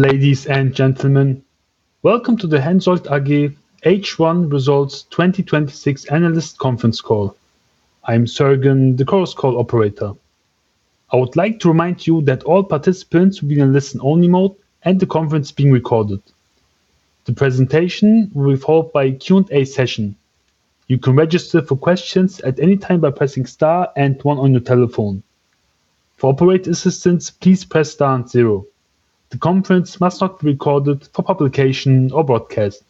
Ladies and gentlemen, welcome to the Hensoldt AG H1 Results 2026 Analyst Conference Call. I'm Sergen, the conference call operator. I would like to remind you that all participants will be in listen-only mode and the conference is being recorded. The presentation will be followed by a Q&A session. You can register for questions at any time by pressing star and one on your telephone. For operator assistance, please press star and zero. The conference must not be recorded for publication or broadcast.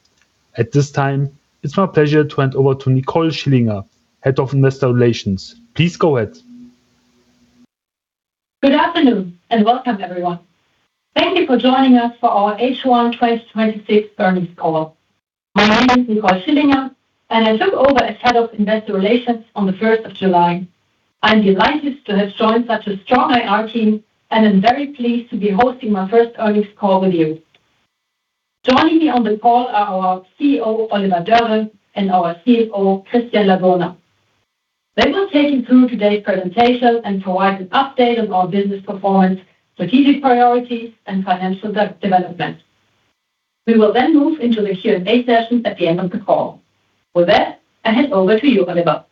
At this time, it's my pleasure to hand over to Nicole Schillinger, Head of Investor Relations. Please go ahead. Good afternoon and welcome, everyone. Thank you for joining us for our H1 2026 earnings call. My name is Nicole Schillinger, and I took over as Head of Investor Relations on the 1st of July. I'm delighted to have joined such a strong IR team and am very pleased to be hosting my first earnings call with you. Joining me on the call are our CEO, Oliver Dörre, and our CFO, Christian Ladurner. They will take you through today's presentation and provide an update on our business performance, strategic priorities and financial development. With that, I hand over to you, Oliver.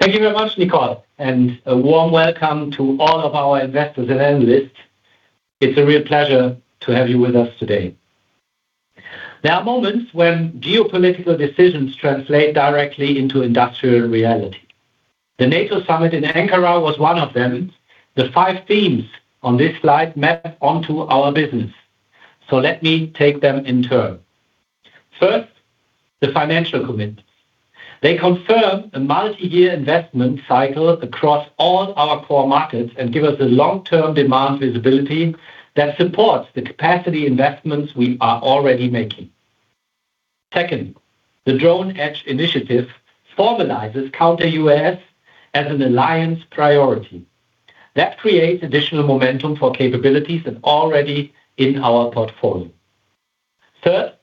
Thank you very much, Nicole, and a warm welcome to all of our investors and analysts. It's a real pleasure to have you with us today. There are moments when geopolitical decisions translate directly into industrial reality. The NATO summit in Ankara was one of them. The five themes on this slide map onto our business. Let me take them in turn. First, the financial commitments. They confirm a multi-year investment cycle across all our core markets and give us the long-term demand visibility that supports the capacity investments we are already making. Second, the Drone Edge initiative formalizes counter-UAS as an alliance priority. That creates additional momentum for capabilities that are already in our portfolio. Third,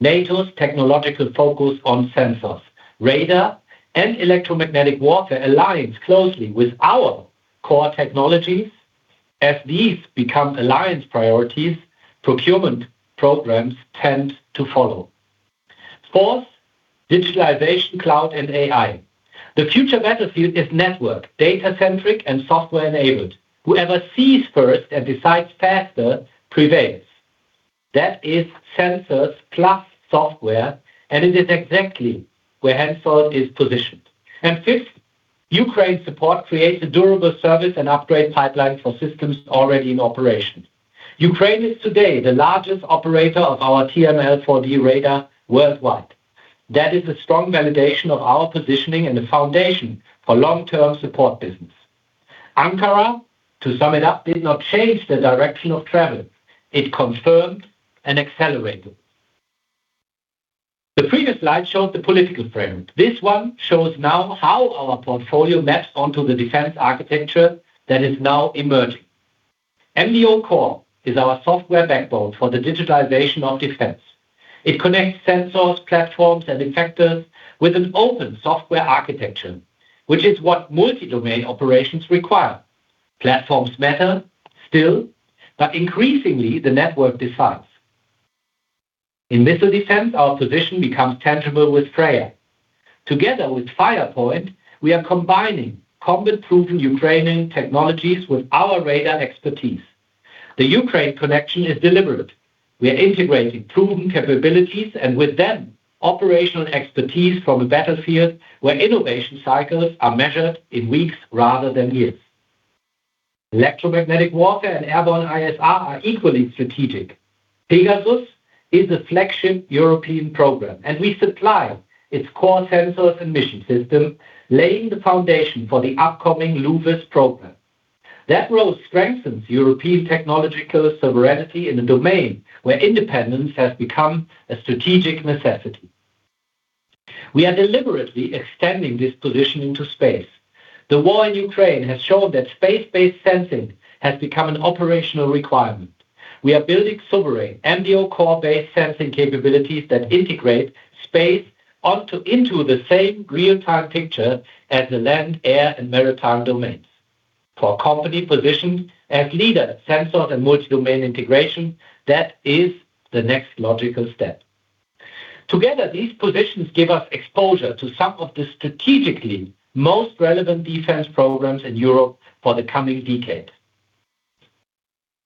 NATO's technological focus on sensors. Radar and electromagnetic warfare aligns closely with our core technologies. As these become alliance priorities, procurement programs tend to follow. Fourth, digitalization, cloud, and AI. The future battlefield is networked, data-centric, and software-enabled. Whoever sees first and decides faster, prevails. That is sensors plus software, and it is exactly where Hensoldt is positioned. Fifth, Ukraine support creates a durable service and upgrade pipeline for systems already in operation. Ukraine is today the largest operator of our TRML-4D radar worldwide. That is a strong validation of our positioning and the foundation for long-term support business. Ankara, to sum it up, did not change the direction of travel. It confirmed and accelerated. The previous slide showed the political framework. This one shows now how our portfolio maps onto the defense architecture that is now emerging. MDOcore is our software backbone for the digitalization of defense. It connects sensors, platforms, and effectors with an open software architecture, which is what multi-domain operations require. Platforms matter still, but increasingly the network decides. In missile defense, our position becomes tangible with FREYA. Together with Fire Point, we are combining combat-proven Ukrainian technologies with our radar expertise. The Ukraine connection is deliberate. We are integrating proven capabilities, and with them, operational expertise from a battlefield where innovation cycles are measured in weeks rather than years. Electromagnetic warfare and airborne ISR are equally strategic. PEGASUS is a flagship European program, and we supply its core sensors and mission system, laying the foundation for the upcoming luWES program. That role strengthens European technological sovereignty in a domain where independence has become a strategic necessity. We are deliberately extending this position into space. The war in Ukraine has shown that space-based sensing has become an operational requirement. We are building sovereign MDOcore-based sensing capabilities that integrate space into the same real-time picture as the land, air and maritime domains. For a company positioned as leader of sensors and multi-domain integration, that is the next logical step. Together, these positions give us exposure to some of the strategically most relevant defense programs in Europe for the coming decade.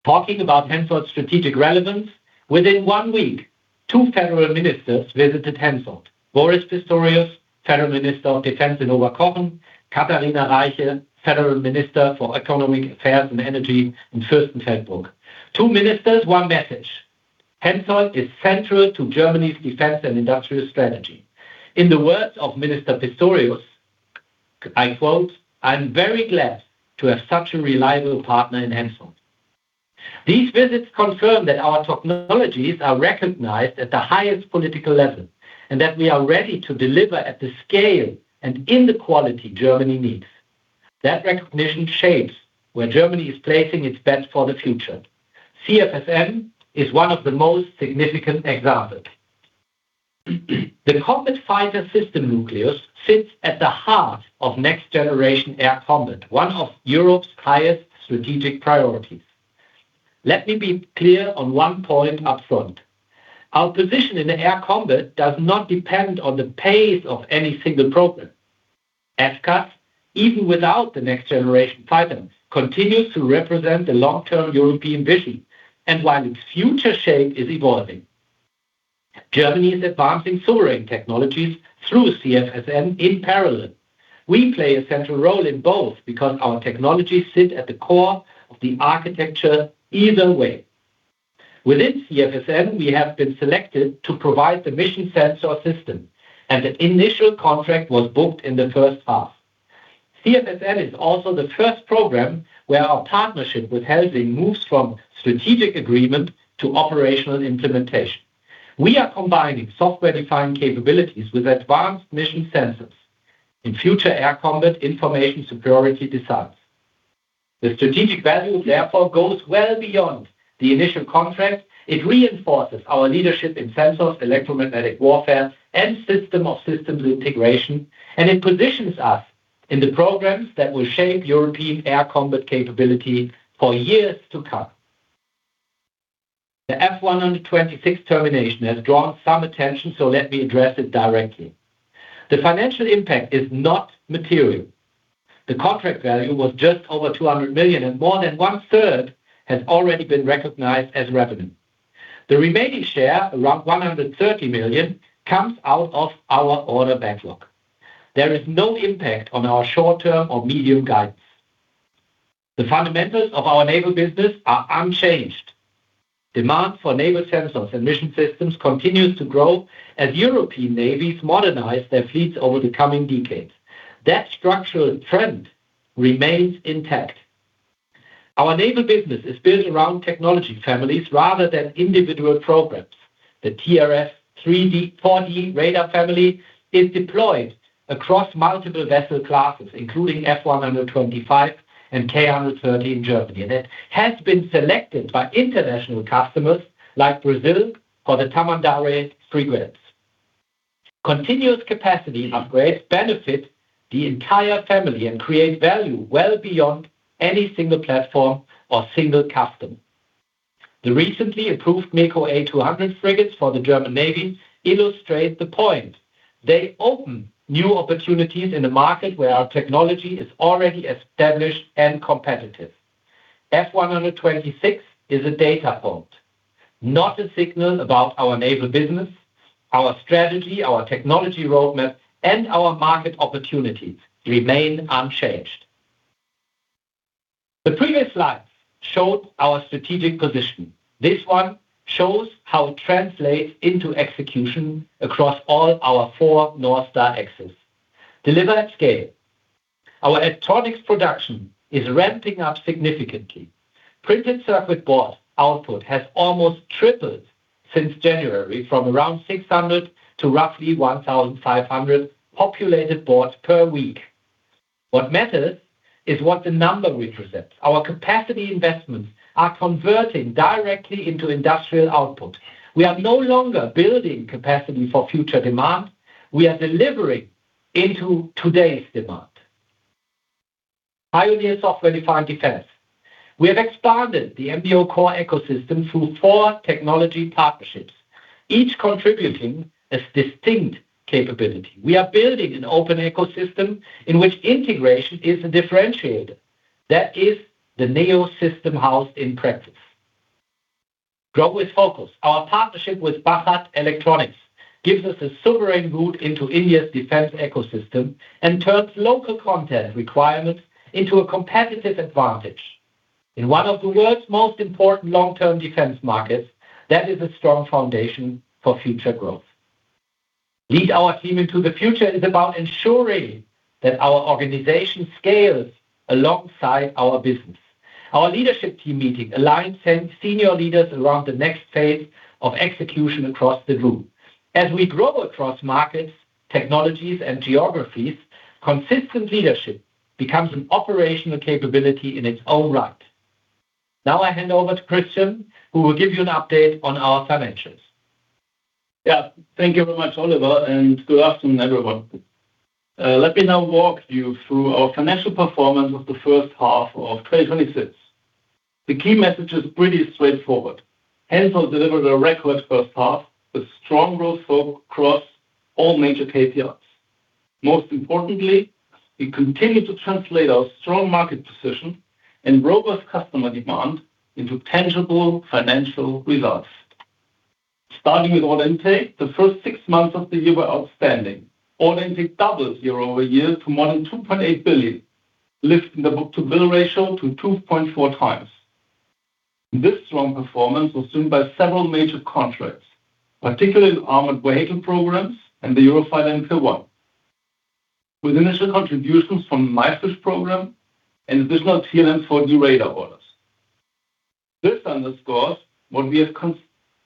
Talking about Hensoldt's strategic relevance, within one week, two federal ministers visited Hensoldt. Boris Pistorius, Federal Minister of Defence in Oberkochen, Katherina Reiche, Federal Minister for Economic Affairs and Energy in Fürstenfeldbruck. Two ministers, one message: Hensoldt is central to Germany's defense and industrial strategy. In the words of Minister Pistorius, I quote, I'm very glad to have such a reliable partner in Hensoldt. These visits confirm that our technologies are recognized at the highest political level and that we are ready to deliver at the scale and in the quality Germany needs. That recognition shapes where Germany is placing its bets for the future. CFSM is one of the most significant examples. The combat fighter system nucleus sits at the heart of next-generation air combat, one of Europe's highest strategic priorities. Let me be clear on one point up front. Our position in air combat does not depend on the pace of any single program. FCAS, even without the next-generation fighters, continues to represent the long-term European vision and while its future shape is evolving. Germany is advancing sovereign technologies through CFSM in parallel. We play a central role in both because our technologies sit at the core of the architecture either way. Within CFSM, we have been selected to provide the mission sensor system, and the initial contract was booked in the first half. CFSM is also the first program where our partnership with Helsing moves from strategic agreement to operational implementation. We are combining software-defined capabilities with advanced mission sensors in future air combat information superiority designs. The strategic value, therefore, goes well beyond the initial contract. It reinforces our leadership in sensors, electromagnetic warfare, and system of systems integration, and it positions us in the programs that will shape European air combat capability for years to come. The F126 termination has drawn some attention, so let me address it directly. The financial impact is not material. The contract value was just over 200 million, and more than one-third has already been recognized as revenue. The remaining share, around 130 million, comes out of our order backlog. There is no impact on our short-term or medium guidance. The fundamentals of our naval business are unchanged. Demand for naval sensors and mission systems continues to grow as European navies modernize their fleets over the coming decades. That structural trend remains intact. Our naval business is built around technology families rather than individual programs. The TRS-3D/4D radar family is deployed across multiple vessel classes, including F125 and K130 in Germany, and it has been selected by international customers like Brazil for the Tamandaré frigates. Continuous capacity upgrades benefit the entire family and create value well beyond any single platform or single customer. The recently approved MEKO A-200 frigates for the German Navy illustrate the point. They open new opportunities in a market where our technology is already established and competitive. F126 is a data point, not a signal about our naval business. Our strategy, our technology roadmap, and our market opportunities remain unchanged. The previous slides showed our strategic position. This one shows how it translates into execution across all our four North Star axes. Deliver at scale. Our electronics production is ramping up significantly. Printed circuit board output has almost tripled since January, from around 600 to roughly 1,500 populated boards per week. What matters is what the number represents. Our capacity investments are converting directly into industrial output. We are no longer building capacity for future demand. We are delivering into today's demand. Pioneer software-defined defense. We have expanded the MDOcore ecosystem through four technology partnerships, each contributing a distinct capability. We are building an open ecosystem in which integration is a differentiator. That is the neo-system house in practice. Grow with focus. Our partnership with Bharat Electronics gives us a sovereign route into India's defense ecosystem and turns local content requirements into a competitive advantage. In one of the world's most important long-term defense markets, that is a strong foundation for future growth. Lead our team into the future is about ensuring that our organization scales alongside our business. Our leadership team meeting aligned senior leaders around the next phase of execution across the group. As we grow across markets, technologies, and geographies, consistent leadership becomes an operational capability in its own right. Now I hand over to Christian, who will give you an update on our financials. Thank you very much, Oliver, and good afternoon, everyone. Let me now walk you through our financial performance of the first half of 2026. The key message is pretty straightforward. Hensoldt delivered a record first half with strong growth focus across all major KPIs. Most importantly, we continue to translate our strong market position and robust customer demand into tangible financial results. Starting with order intake, the first six months of the year were outstanding. Order intake doubled year-over-year to more than 2.8 billion, lifting the book-to-bill ratio to 2.4 times. This strong performance was driven by several major contracts, particularly the armored vehicle programs and the Eurofighter ECRS Mk1, with initial contributions from the Mephist program and additional TRML-4D radar orders. This underscores what we have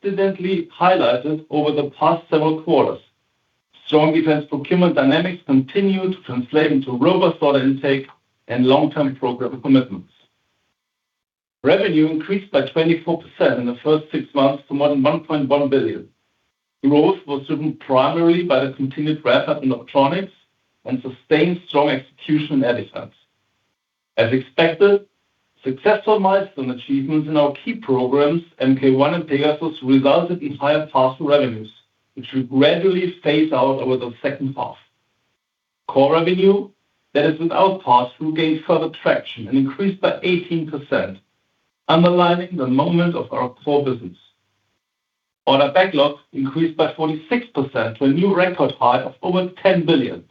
consistently highlighted over the past several quarters. Strong defense procurement dynamics continue to translate into robust order intake and long-term program commitments. Revenue increased by 24% in the first six months to more than 1.1 billion. Growth was driven primarily by the continued ramp-up in electronics and sustained strong execution in defense. As expected, successful milestone achievements in our key programs, ECRS Mk1 and PEGASUS, resulted in higher pass-through revenues, which will gradually phase out over the second half. Core revenue, that is without pass-through, gained further traction and increased by 18%, underlining the momentum of our core business. Order backlog increased by 46% to a new record high of over 10 billion,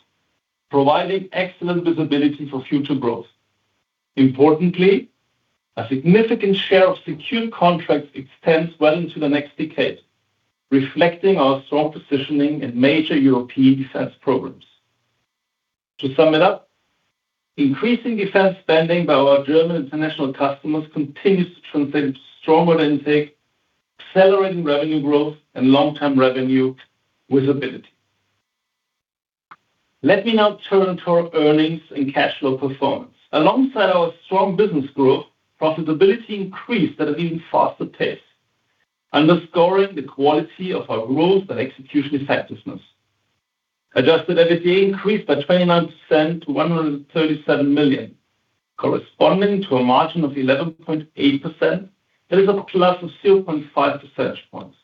providing excellent visibility for future growth. Importantly, a significant share of secure contracts extends well into the next decade, reflecting our strong positioning in major European defense programs. To sum it up, increasing defense spending by our German international customers continues to translate into strong order intake, accelerating revenue growth and long-term revenue visibility. Let me now turn to our earnings and cash flow performance. Alongside our strong business growth, profitability increased at an even faster pace, underscoring the quality of our growth and execution effectiveness. Adjusted EBITDA increased by 29% to 137 million, corresponding to a margin of 11.8%, that is up +0.5 percentage points.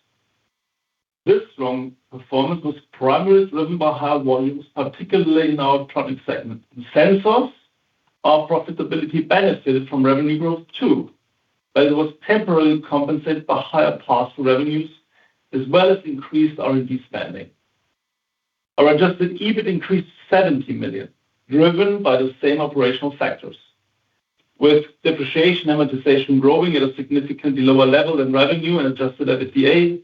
This strong performance was primarily driven by higher volumes, particularly in our electronics segment. In Sensors, our profitability benefited from revenue growth too, but it was temporarily compensated by higher pass-through revenues, as well as increased R&D spending. Our adjusted EBIT increased 70 million, driven by the same operational factors. With depreciation and amortization growing at a significantly lower level than revenue and adjusted EBITDA,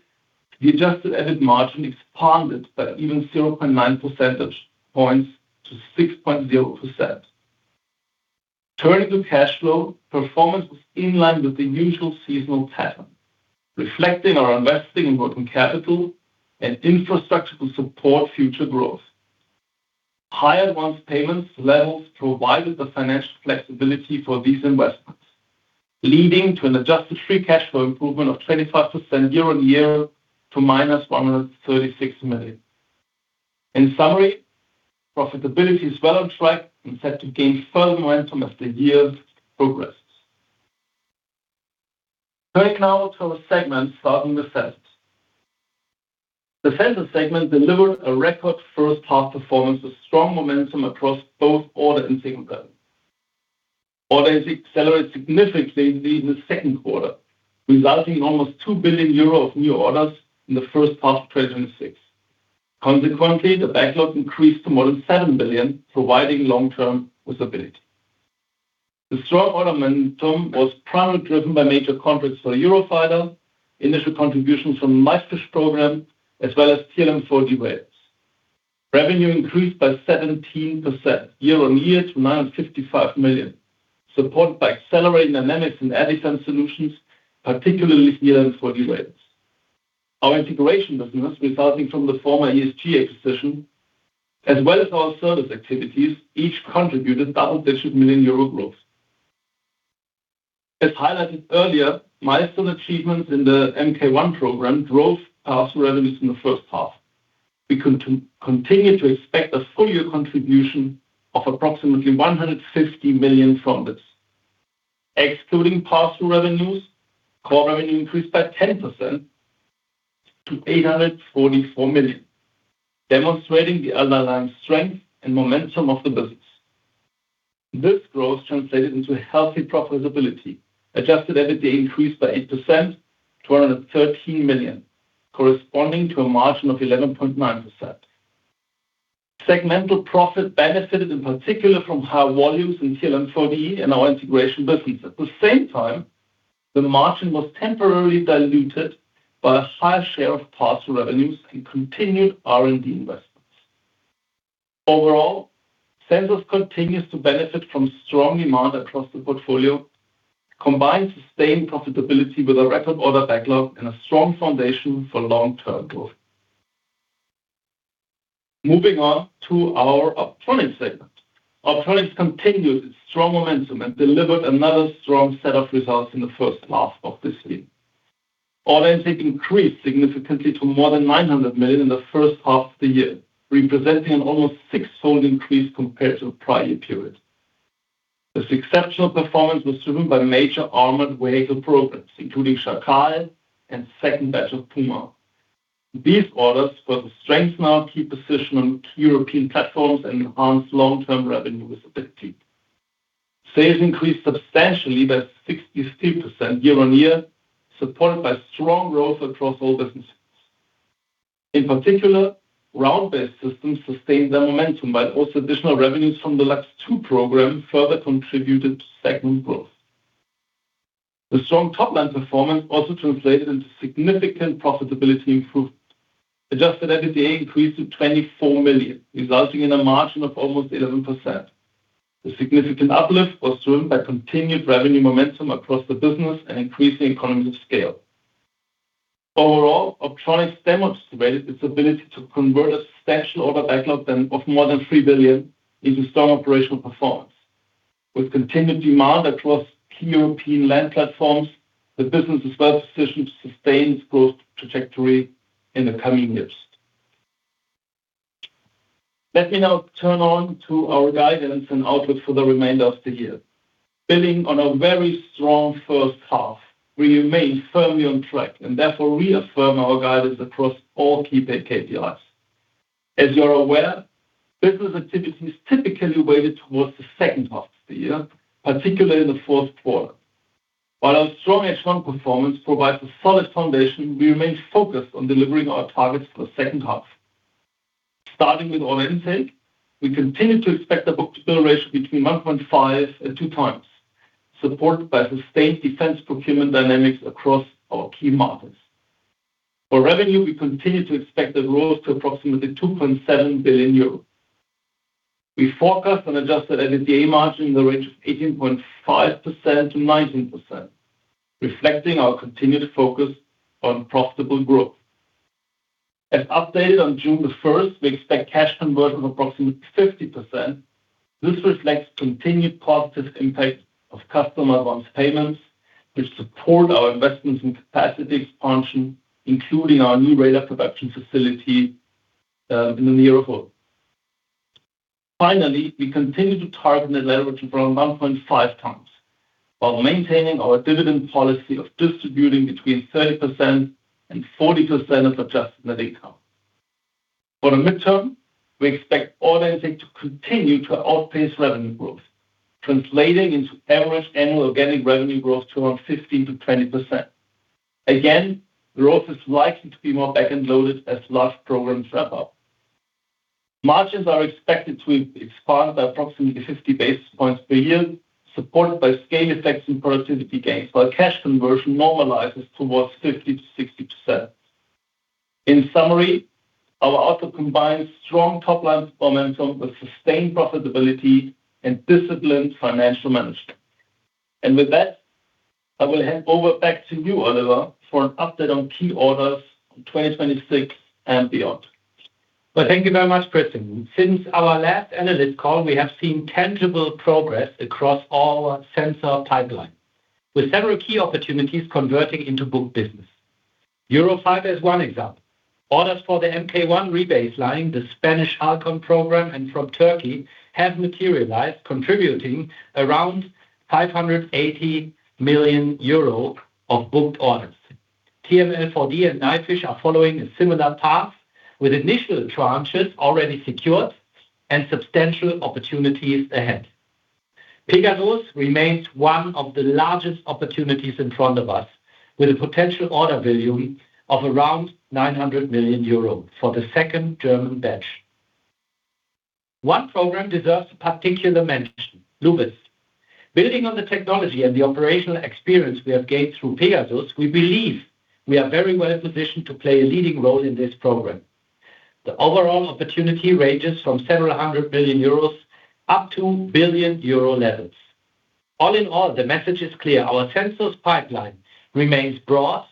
the adjusted EBIT margin expanded by even 0.9 percentage points to 6.0%. Turning to cash flow, performance was in line with the usual seasonal pattern, reflecting our investing in working capital and infrastructure to support future growth. Higher advance payments levels provided the financial flexibility for these investments, leading to an adjusted free cash flow improvement of 25% year-on-year to -136 million. In summary, profitability is well on track and set to gain further momentum as the year progresses. Turning now to our segments, starting with Defense. The Defense segment delivered a record first-half performance with strong momentum across both order and signal value. Order intake accelerated significantly in the second quarter, resulting in almost 2 billion euro of new orders in the first half of 2026. Consequently, the backlog increased to more than 7 billion, providing long-term visibility. The strong order momentum was primarily driven by major contracts for the Eurofighter, initial contributions from the Mephist program, as well as TLN 40 weights. Revenue increased by 17% year-on-year to 955 million, supported by accelerating dynamics in air defence solutions, particularly TLN 40 weights. Our integration business resulting from the former ESG acquisition, as well as our service activities, each contributed double-digit million euro growth. As highlighted earlier, milestone achievements in the ECRS Mk1 program drove pass-through revenues in the first half. We continue to expect a full-year contribution of approximately 150 million from this. Excluding pass-through revenues, core revenue increased by 10% to 844 million, demonstrating the underlying strength and momentum of the business. This growth translated into a healthy profitability. Adjusted EBITDA increased by 8% to 113 million, corresponding to a margin of 11.9%. Segmental profit benefited in particular from high volumes in TLN 40 and our integration business. At the same time, the margin was temporarily diluted by a higher share of pass-through revenues and continued R&D investments. Overall, Sensors continues to benefit from strong demand across the portfolio, combined sustained profitability with a record order backlog and a strong foundation for long-term growth. Moving on to our Electronics segment. Electronics continued its strong momentum and delivered another strong set of results in the first half of this year. Order intake increased significantly to more than 900 million in the first half of the year, representing an almost six-fold increase compared to the prior period. This exceptional performance was driven by major armored vehicle programs, including Schakal and second batch of Puma. These orders further strengthened our key position on key European platforms and enhanced long-term revenue visibility. Sales increased substantially by 63% year-on-year, supported by strong growth across all businesses. In particular, ground-based systems sustained their momentum, while also additional revenues from the Lux 2 program further contributed to segment growth. The strong top-line performance also translated into significant profitability improvements. Adjusted EBITDA increased to 24 million, resulting in a margin of almost 11%. The significant uplift was driven by continued revenue momentum across the business and increasing economies of scale. Overall, Optronics demonstrated its ability to convert a substantial order backlog of more than 3 billion into strong operational performance. With continued demand across key European land platforms, the business is well-positioned to sustain its growth trajectory in the coming years. Let me now turn on to our guidance and outlook for the remainder of the year. Building on a very strong first half, we remain firmly on track and therefore reaffirm our guidance across all key KPIs. As you are aware, business activity is typically weighted towards the second half of the year, particularly in the fourth quarter. While our strong H1 performance provides a solid foundation, we remain focused on delivering our targets for the second half. Starting with order intake, we continue to expect a book-to-bill ratio between 1.5x and 2x, supported by sustained defense procurement dynamics across our key markets. For revenue, we continue to expect the growth to approximately 2.7 billion euros. We forecast an adjusted EBITDA margin in the range of 18.5%-19%, reflecting our continued focus on profitable growth. As updated on June 1st, we expect cash conversion approximately 50%. This reflects continued positive impact of customer advance payments, which support our investments in capacity expansion, including our new radar production facility in the neighborhood. Finally, we continue to target a leverage of around 1.5x while maintaining our dividend policy of distributing between 30%-40% of adjusted net income. For the midterm, we expect order intake to continue to outpace revenue growth, translating into average annual organic revenue growth to around 15%-20%. Again, growth is likely to be more back-end loaded as large programs ramp up. Margins are expected to expand by approximately 50 basis points per year, supported by scale effects and productivity gains, while cash conversion normalizes towards 50%-60%. In summary, our outlook combines strong top-line momentum with sustained profitability and disciplined financial management. I will hand it over back to you, Oliver, for an update on key orders 2026 and beyond. Well, thank you very much, Christian. Since our last analyst call, we have seen tangible progress across our sensor pipeline, with several key opportunities converting into book business. Eurofighter is one example. Orders for the Mk1 rebase line, the Spanish Halcón program, and from Turkey have materialized, contributing around 580 million euro of booked orders. TRML-4D and Knifefish are following a similar path, with initial tranches already secured and substantial opportunities ahead. PEGASUS remains one of the largest opportunities in front of us, with a potential order volume of around 900 million euro for the second German batch. One program deserves particular mention, LuWES. Building on the technology and the operational experience we have gained through PEGASUS, we believe we are very well-positioned to play a leading role in this program. The overall opportunity ranges from several hundred million euros up to billion euro levels. All in all, the message is clear. Our sensors pipeline remains broad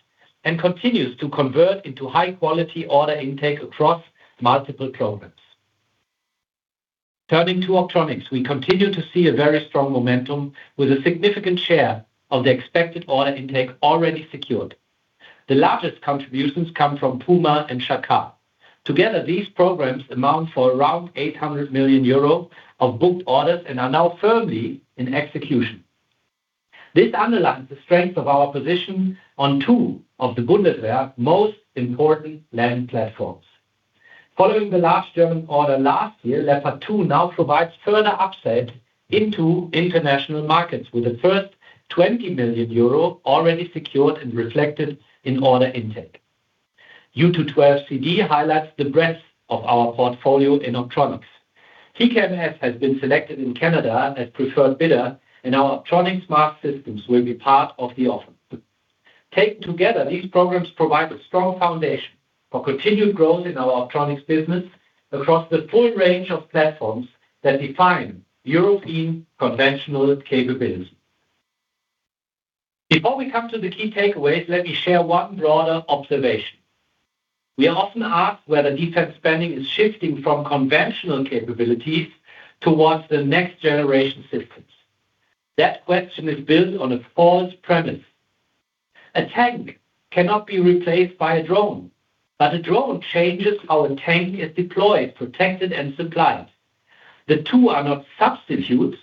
and continues to convert into high-quality order intake across multiple programs. Turning to Optronics, we continue to see a very strong momentum with a significant share of the expected order intake already secured. The largest contributions come from Puma and Schakal. Together, these programs amount for around 800 million euros of booked orders and are now firmly in execution. This underlines the strength of our position on two of the Bundeswehr's most important land platforms. Following the large German order last year, Leopard 2 now provides further upside into international markets, with the first 20 million euro already secured and reflected in order intake. U212CD highlights the breadth of our portfolio in Optronics. TKMS has been selected in Canada as preferred bidder, and our Optronics smart systems will be part of the offer. Taken together, these programs provide a strong foundation for continued growth in our Optronics business across the full range of platforms that define European conventional capability. Before we come to the key takeaways, let me share one broader observation. We are often asked whether defense spending is shifting from conventional capabilities towards the next-generation systems. That question is built on a false premise. A tank cannot be replaced by a drone, but a drone changes how a tank is deployed, protected, and supplied. The two are not substitutes.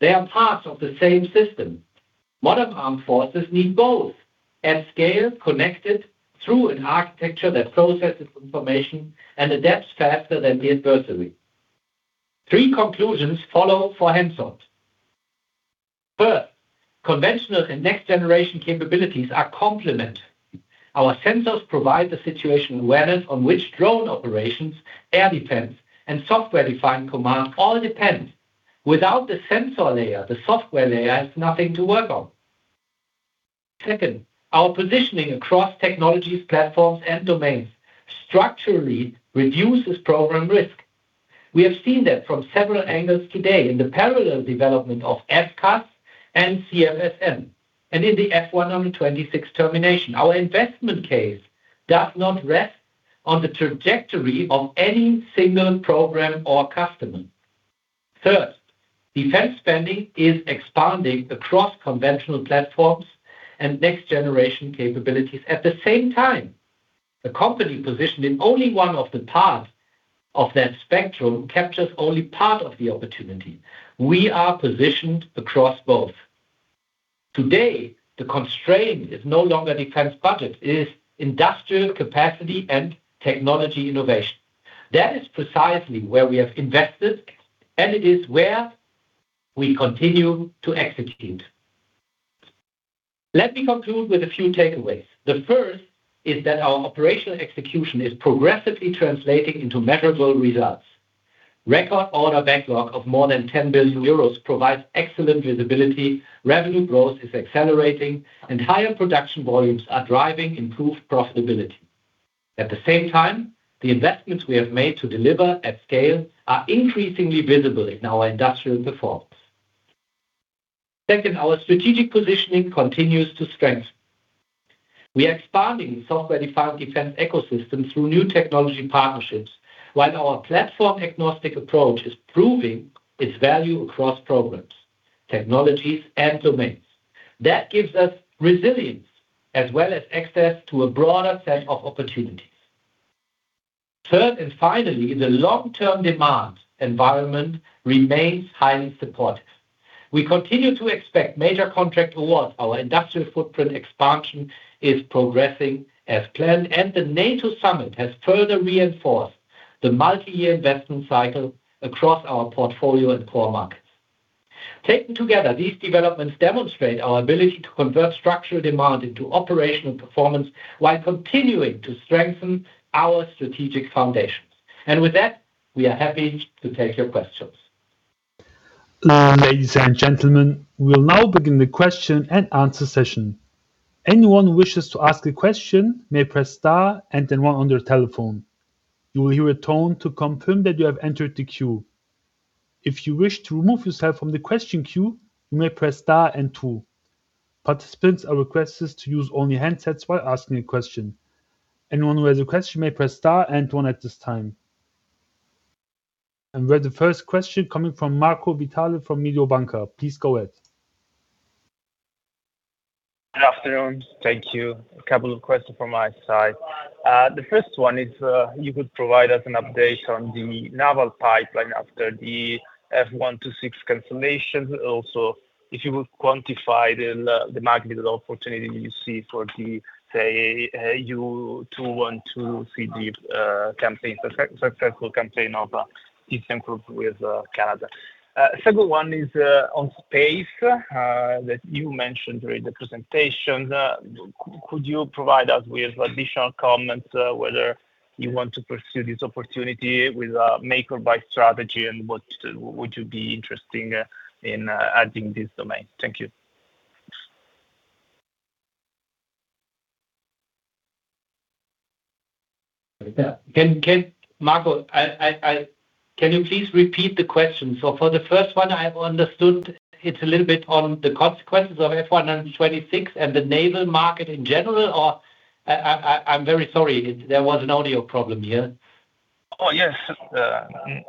They are parts of the same system. Modern armed forces need both at scale, connected through an architecture that processes information and adapts faster than the adversary. Three conclusions follow for Hensoldt. First, conventional and next-generation capabilities are complementary. Our sensors provide the situational awareness on which drone operations, air defense, and software-defined commands all depend. Without the sensor layer, the software layer has nothing to work on. Our positioning across technologies, platforms, and domains structurally reduces program risk. We have seen that from several angles today in the parallel development of FCAS and CFSM, and in the F126 termination. Our investment case does not rest on the trajectory of any single program or customer. Defense spending is expanding across conventional platforms and next-generation capabilities at the same time. A company positioned in only one of the parts of that spectrum captures only part of the opportunity. We are positioned across both. Today, the constraint is no longer defense budget, it is industrial capacity and technology innovation. That is precisely where we have invested, and it is where we continue to execute. Let me conclude with a few takeaways. The first is that our operational execution is progressively translating into measurable results. Record order backlog of more than 10 billion euros provides excellent visibility. Revenue growth is accelerating, and higher production volumes are driving improved profitability. At the same time, the investments we have made to deliver at scale are increasingly visible in our industrial performance. Our strategic positioning continues to strengthen. We are expanding software-defined defense ecosystems through new technology partnerships, while our platform-agnostic approach is proving its value across programs, technologies, and domains. That gives us resilience, as well as access to a broader set of opportunities. Finally, the long-term demand environment remains highly supportive. We continue to expect major contract awards. Our industrial footprint expansion is progressing as planned, and the NATO summit has further reinforced the multi-year investment cycle across our portfolio and core markets. Taken together, these developments demonstrate our ability to convert structural demand into operational performance, while continuing to strengthen our strategic foundations. With that, we are happy to take your questions. Ladies and gentlemen, we will now begin the question-and-answer session. Anyone who wishes to ask a question may press star and then one on their telephone. You will hear a tone to confirm that you have entered the queue. If you wish to remove yourself from the question queue, you may press star and two. Participants are requested to use only handsets while asking a question. Anyone who has a question may press star and one at this time. We have the first question coming from Marco Vitale from Mediobanca. Please go ahead. Good afternoon. Thank you. A couple of questions from my side. The first one is if you could provide us an update on the naval pipeline after the F-126 cancellation. Also, if you would quantify the magnitude of opportunity you see for the, say, U212CD campaign, successful campaign of this group with Canada. The second one is on space, that you mentioned during the presentation. Could you provide us with additional comments whether you want to pursue this opportunity with a make or buy strategy and what would you be interested in adding this domain? Thank you. Marco, can you please repeat the question? For the first one, I've understood it's a little bit on the consequences of F-126 and the naval market in general, or I'm very sorry, there was an audio problem here. Yes.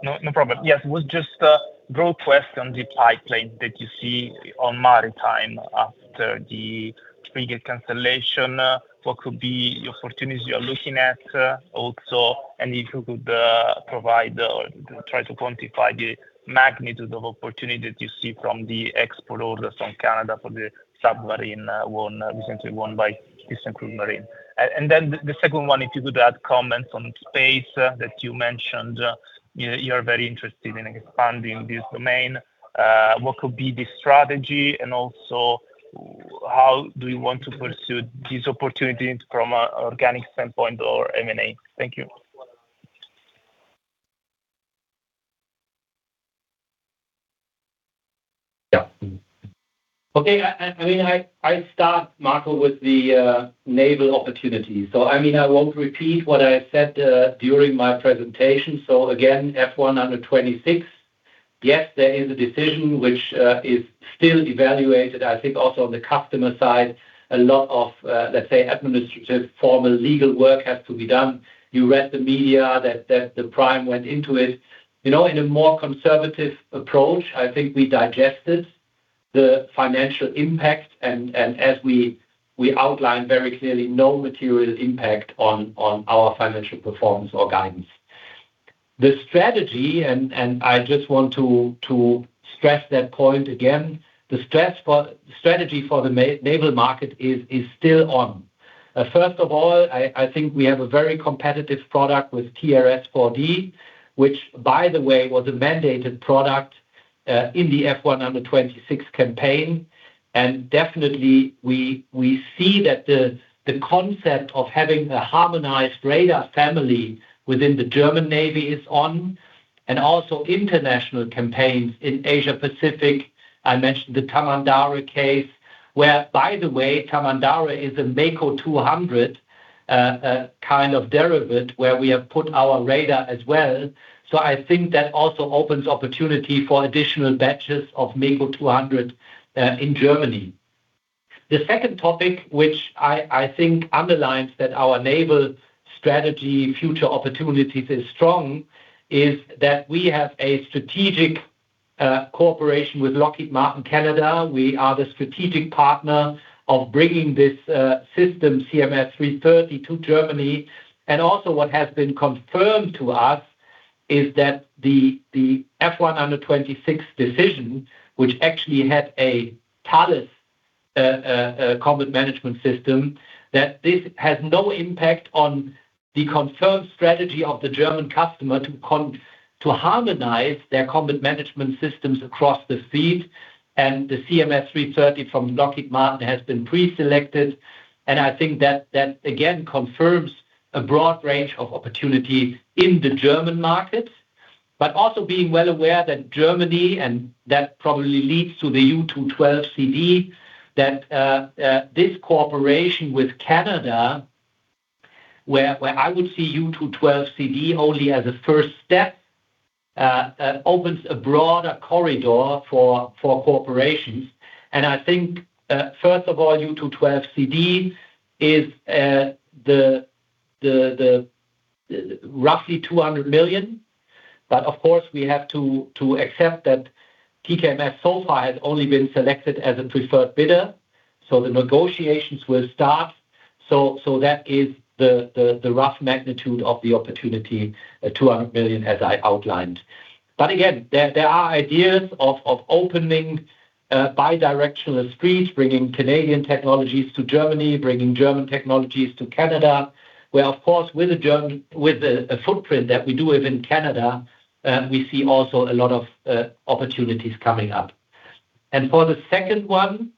No problem. Yes, it was just a broad question, the pipeline that you see on maritime after the frigate cancellation, what could be the opportunities you are looking at also, if you could provide or try to quantify the magnitude of opportunity that you see from the export orders from Canada for the submarine recently won by this ThyssenKrupp Marine. The second one, if you could add comments on space that you mentioned, you're very interested in expanding this domain. What could be the strategy and also how do you want to pursue these opportunities from an organic standpoint or M&A? Thank you. Okay. I start, Marco, with the naval opportunity. I won't repeat what I said during my presentation. Again, F-126, yes, there is a decision which is still evaluated. I think also on the customer side, a lot of, let's say, administrative, formal legal work has to be done. You read the media that the prime went into it. In a more conservative approach, I think we digested the financial impact and as we outlined very clearly, no material impact on our financial performance or guidance. The strategy, I just want to stress that point again, the strategy for the naval market is still on. First of all, I think we have a very competitive product with TRS-4D, which, by the way, was a mandated product in the F-126 campaign. Definitely we see that the concept of having a harmonized radar family within the German Navy is on, also international campaigns in Asia-Pacific. I mentioned the Talwar case, where, by the way, Tamandaré is a MEKO A-200 kind of derivative where we have put our radar as well. I think that also opens opportunity for additional batches of MEKO A-200 in Germany. The second topic, which I think underlines that our naval strategy future opportunities is strong, is that we have a strategic cooperation with Lockheed Martin Canada. We are the strategic partner of bringing this system, CMS 330, to Germany. Also what has been confirmed to us is that the F126 decision, which actually had a Thales combat management system, that this has no impact on the confirmed strategy of the German customer to harmonize their combat management systems across the fleet. The CMS 330 from Lockheed Martin has been preselected. I think that again confirms a broad range of opportunity in the German market, also being well aware that Germany, and that probably leads to the U212CD, that this cooperation with Canada, where I would see U212CD only as a first step, opens a broader corridor for corporations. I think, first of all, U212CD is the roughly 200 million. Of course, we have to accept that TKMS so far has only been selected as a preferred bidder, so the negotiations will start. That is the rough magnitude of the opportunity, 200 million, as I outlined. Again, there are ideas of opening a bidirectional street, bringing Canadian technologies to Germany, bringing German technologies to Canada, where, of course, with a footprint that we do have in Canada, we see also a lot of opportunities coming up. For the second one,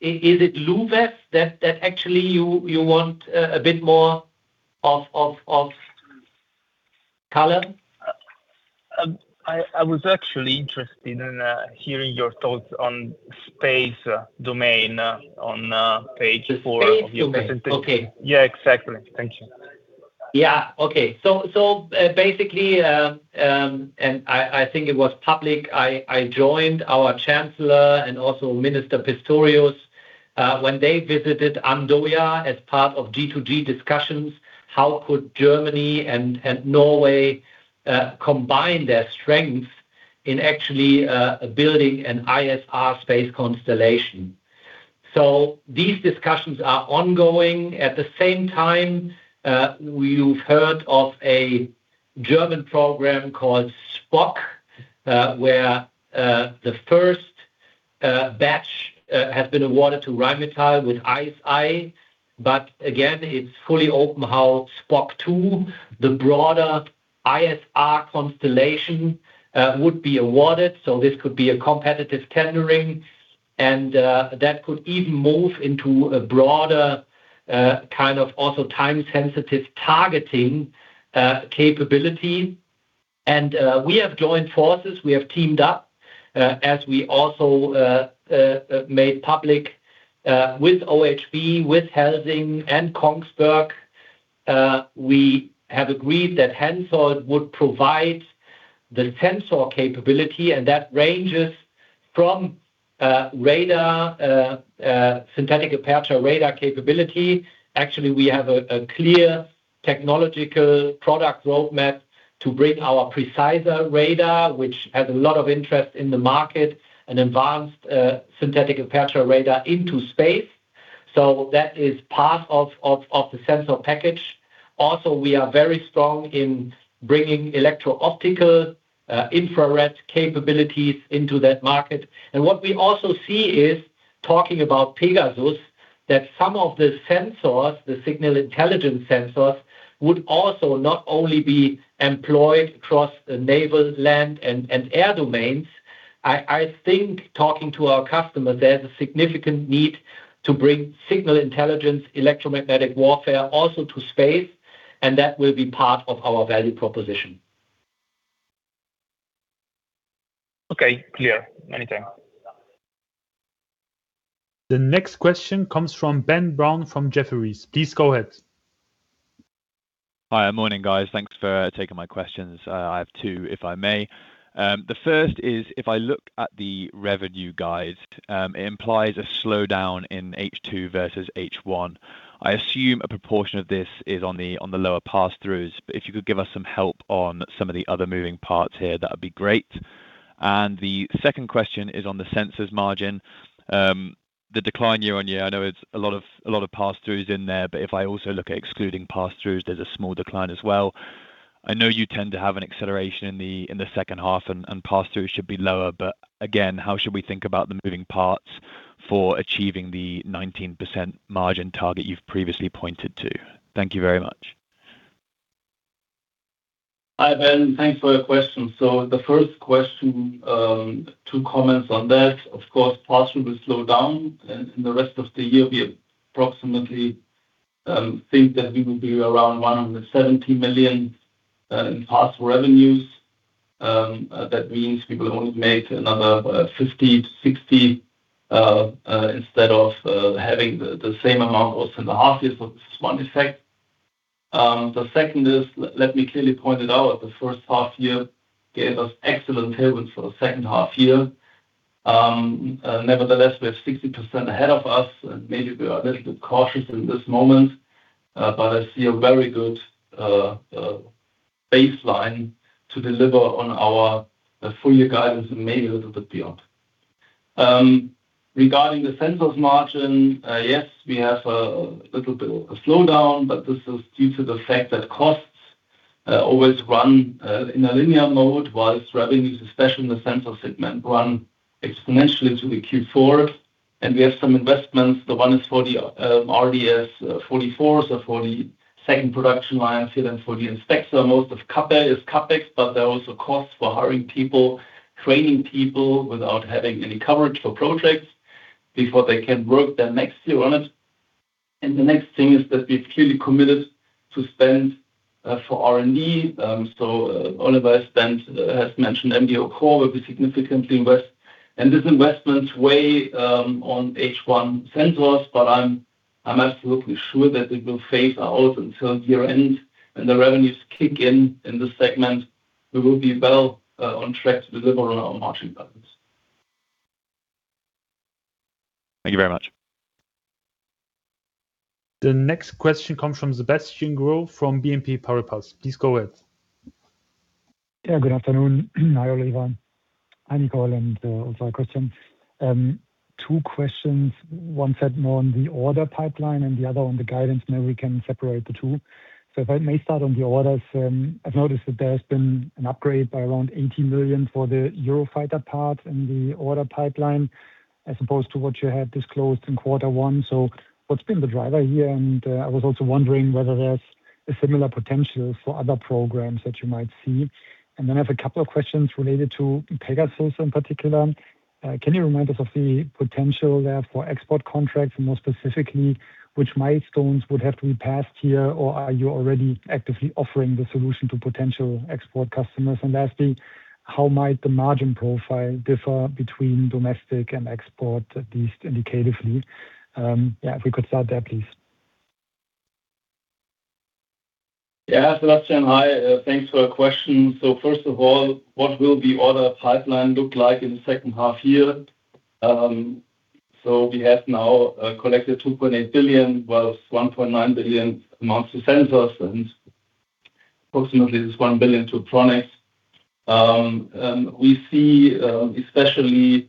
is it luWES that actually you want a bit more of color? I was actually interested in hearing your thoughts on space domain on page four of your presentation. The space domain. Exactly. Thank you. Basically, I think it was public, I joined our chancellor and also Minister Pistorius when they visited Andøya as part of G2G discussions, how could Germany and Norway combine their strengths in actually building an ISR space constellation. These discussions are ongoing. At the same time, you've heard of a German program called SPOCK, where the first batch has been awarded to Rheinmetall with ICEYE. Again, it's fully open how SPOCK 2, the broader ISR constellation, would be awarded. This could be a competitive tendering and that could even move into a broader kind of also time-sensitive targeting capability. We have joined forces, we have teamed up, as we also made public, with OHB, with Helsing and Kongsberg. We have agreed that Hensoldt would provide the sensor capability, and that ranges from synthetic aperture radar capability. Actually, we have a clear technological product roadmap to bring our PrecISR radar, which has a lot of interest in the market, an advanced synthetic aperture radar into space. That is part of the sensor package. We are very strong in bringing electro-optical infrared capabilities into that market. What we also see is, talking about PEGASUS, that some of the sensors, the signal intelligence sensors, would also not only be employed across the naval, land, and air domains. I think talking to our customers, there's a significant need to bring signal intelligence, electromagnetic warfare also to space, and that will be part of our value proposition. Okay. Clear. Many thanks. The next question comes from Ben Brown from Jefferies. Please go ahead. Hi. Morning, guys. Thanks for taking my questions. I have two, if I may. The first is, if I look at the revenue guide, it implies a slowdown in H2 versus H1. I assume a proportion of this is on the lower pass-throughs. If you could give us some help on some of the other moving parts here, that would be great. The second question is on the sensors margin. The decline year-over-year, I know it's a lot of pass-throughs in there, but if I also look at excluding pass-throughs, there's a small decline as well. I know you tend to have an acceleration in the second half and pass-throughs should be lower. Again, how should we think about the moving parts for achieving the 19% margin target you've previously pointed to? Thank you very much. Hi, Ben. Thanks for your question. The first question, two comments on that. Of course, pass-throughs will slow down in the rest of the year, be approximately We think that we will be around 170 million in possible revenues. That means we will only make another 50 million-60 million instead of having the same amount as in the half year. This is one effect. The second is, let me clearly point it out, the first half year gave us excellent tailwinds for the second half year. Nevertheless, we have 60% ahead of us, and maybe we are a little bit cautious in this moment, but I see a very good baseline to deliver on our full-year guidance and maybe a little bit beyond. Regarding the sensors margin, yes, we have a little bit of a slowdown, but this is due to the fact that costs always run in a linear mode, whilst revenues, especially in the sensor segment, run exponentially into the Q4. We have some investments. The one is for the RDS44, so for the second production line CLM40 Inspector. Most of CAPEX is CAPEX, but there are also costs for hiring people, training people without having any coverage for projects before they can work their next deal on it. The next thing is that we've clearly committed to spend for R&D. Oliver has mentioned MDOcore will be significantly invested. This investment weighs on H1 sensors, but I'm absolutely sure that it will phase out until year-end. When the revenues kick in this segment, we will be well on track to deliver on our margin guidance. Thank you very much. The next question comes from Sebastian Growe from BNP Paribas. Please go ahead. Good afternoon. Hi, Oliver. Hi, Nicole. And also Christian. Two questions. One more on the order pipeline and the other on the guidance. Maybe we can separate the two. If I may start on the orders. I've noticed that there's been an upgrade by around 80 million for the Eurofighter part in the order pipeline, as opposed to what you had disclosed in Q1. What's been the driver here? I was also wondering whether there's a similar potential for other programs that you might see. I have a couple of questions related to PEGASUS in particular. Can you remind us of the potential there for export contracts, and more specifically, which milestones would have to be passed here? Or are you already actively offering the solution to potential export customers? Lastly, how might the margin profile differ between domestic and export, at least indicatively? If we could start there, please. Sebastian, hi. Thanks for the question. First of all, what will the order pipeline look like in the second half year? We have now collected 2.8 billion, 1.9 billion amongst the sensors, and approximately EUR 1 billion to electronics. We see especially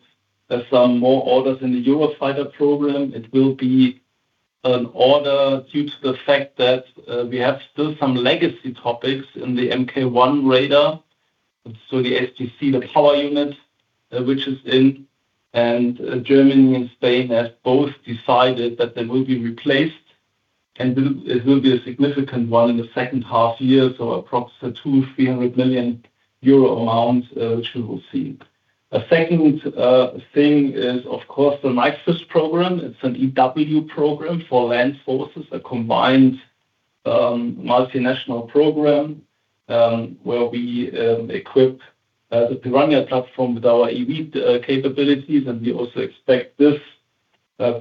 some more orders in the Eurofighter program. It will be an order due to the fact that we have still some legacy topics in the ECRS Mk1 radar. The SDC, the power unit, which is in, Germany and Spain have both decided that they will be replaced, and it will be a significant one in the second half year. Approximately a 200 million-300 million euro amount, which we will see. A second thing is, of course, the MICS program. It's an EW program for land forces, a combined multinational program, where we equip the Piranha platform with our EW capabilities, we also expect this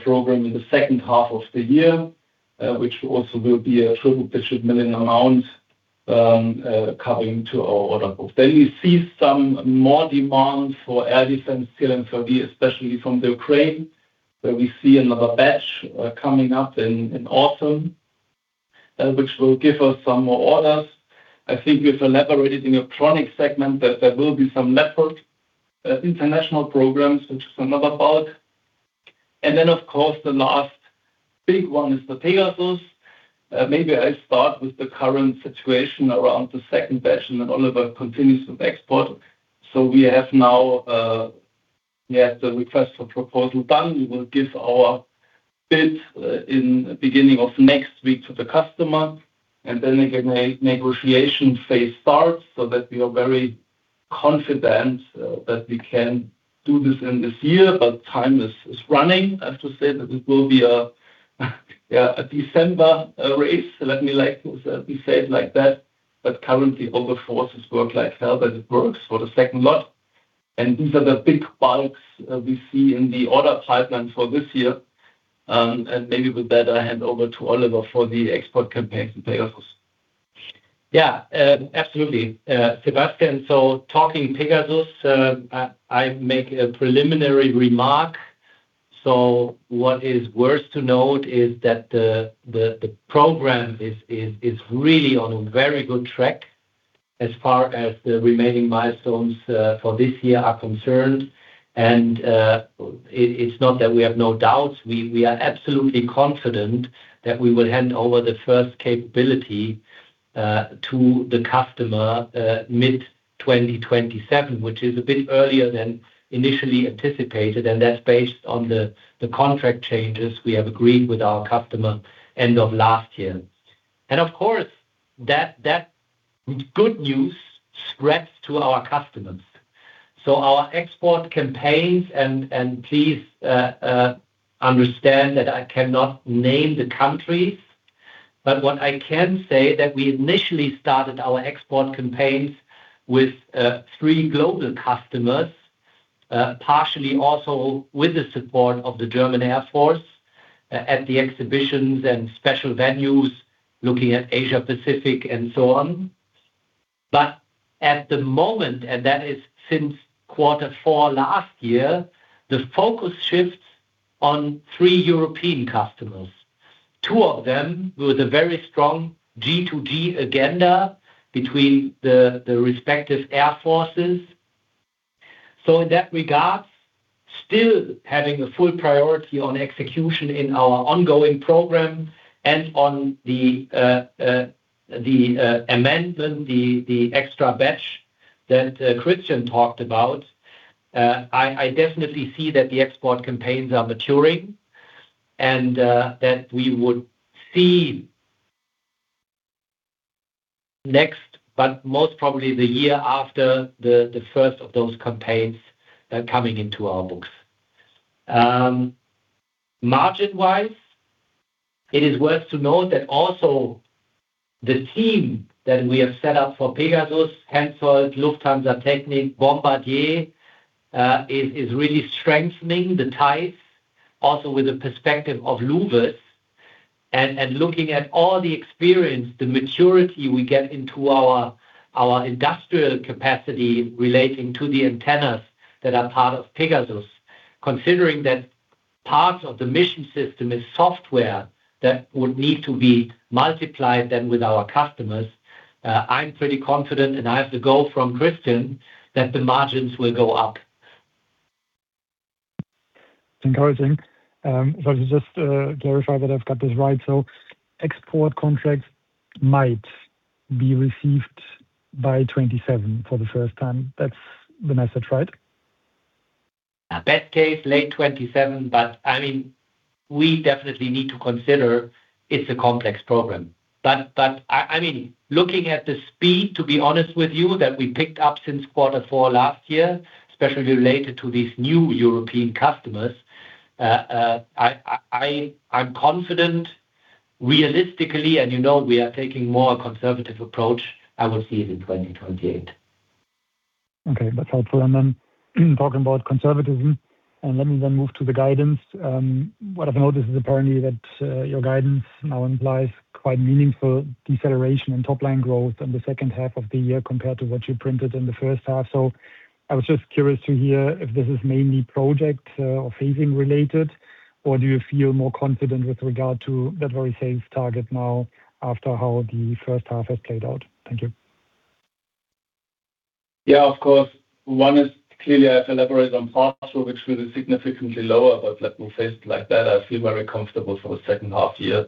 program in the second half of the year, which also will be a triple-digit million amount, coming to our order book. Then we see some more demand for air defense CLM 30, especially from Ukraine, where we see another batch coming up in autumn, which will give us some more orders. I think we've elaborated in electronic segment that there will be some network international programs, which is another part. Of course, the last big one is the PEGASUS. Maybe I start with the current situation around the second batch, and then Oliver continues with export. We have now the request for proposal done. We will give our bid in beginning of next week to the customer. A negotiation phase starts, so that we are very confident that we can do this in this year. Time is running. I have to say that it will be a December race. Let me say it like that. Currently all the forces work like hell, but it works for the second lot. These are the big bulks we see in the order pipeline for this year. Maybe with that, I hand over to Oliver for the export campaign for PEGASUS. Absolutely, Sebastian, talking PEGASUS, I make a preliminary remark. What is worth to note is that the program is really on a very good track as far as the remaining milestones for this year are concerned. It's not that we have no doubts. We are absolutely confident that we will hand over the first capability to the customer mid-2027, which is a bit earlier than initially anticipated, and that's based on the contract changes we have agreed with our customer end of last year. Of course, that good news spreads to our customers. Our export campaigns, and please understand that I cannot name the countries, but what I can say that we initially started our export campaigns with three global customers, partially also with the support of the German Air Force at the exhibitions and special venues, looking at Asia-Pacific and so on. At the moment, and that is since Q4 last year, the focus shifts on three European customers, two of them with a very strong G2G agenda between the respective air forces. In that regard, still having a full priority on execution in our ongoing program and on the amendment, the extra batch that Christian talked about, I definitely see that the export campaigns are maturing and that we would see next, but most probably the year after, the first of those campaigns coming into our books. Margin-wise, it is worth to note that also the team that we have set up for PEGASUS, Hensoldt, Lufthansa Technik, Bombardier, is really strengthening the ties also with the perspective of luWES and looking at all the experience, the maturity we get into our industrial capacity relating to the antennas that are part of PEGASUS. Considering that part of the mission system is software that would need to be multiplied then with our customers, I'm pretty confident, and I have the go from Christian, that the margins will go up. Encouraging. To just clarify that I've got this right. Export contracts might be received by 2027 for the first time. That's the message, right? Bad case, late 2027. We definitely need to consider it's a complex program. Looking at the speed, to be honest with you, that we picked up since quarter four last year, especially related to these new European customers, I'm confident realistically, and you know we are taking a more conservative approach, I will see it in 2028. Okay. That's helpful. Talking about conservatism, let me then move to the guidance. What I've noticed is apparently that your guidance now implies quite meaningful deceleration in top-line growth in the second half of the year compared to what you printed in the first half. I was just curious to hear if this is mainly project or phasing related, or do you feel more confident with regard to that very same target now after how the first half has played out? Thank you. Yeah, of course. One is clearly I have to elaborate on FAR, which was significantly lower, let me face it like that. I feel very comfortable for the second half year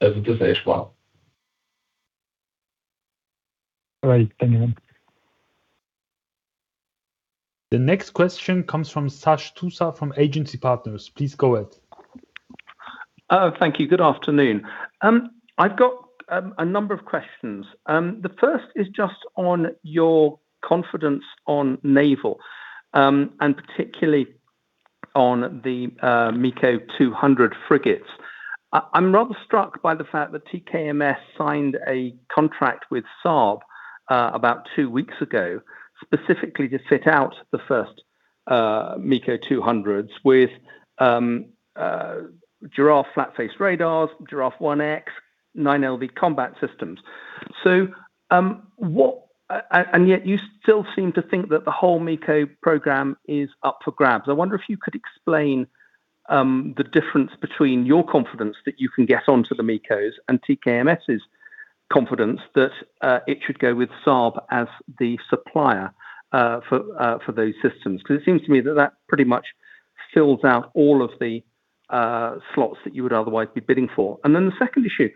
as it is H1. All right. Thank you. The next question comes from Sash Tusa from Agency Partners. Please go ahead. Thank you. Good afternoon. I've got a number of questions. The first is just on your confidence on naval, and particularly on the MEKO 200 frigates. Yet you still seem to think that the whole MEKO program is up for grabs. I wonder if you could explain the difference between your confidence that you can get onto the MEKOs and TKMS' confidence that it should go with Saab as the supplier for those systems. It seems to me that that pretty much fills out all of the slots that you would otherwise be bidding for. Then the second issue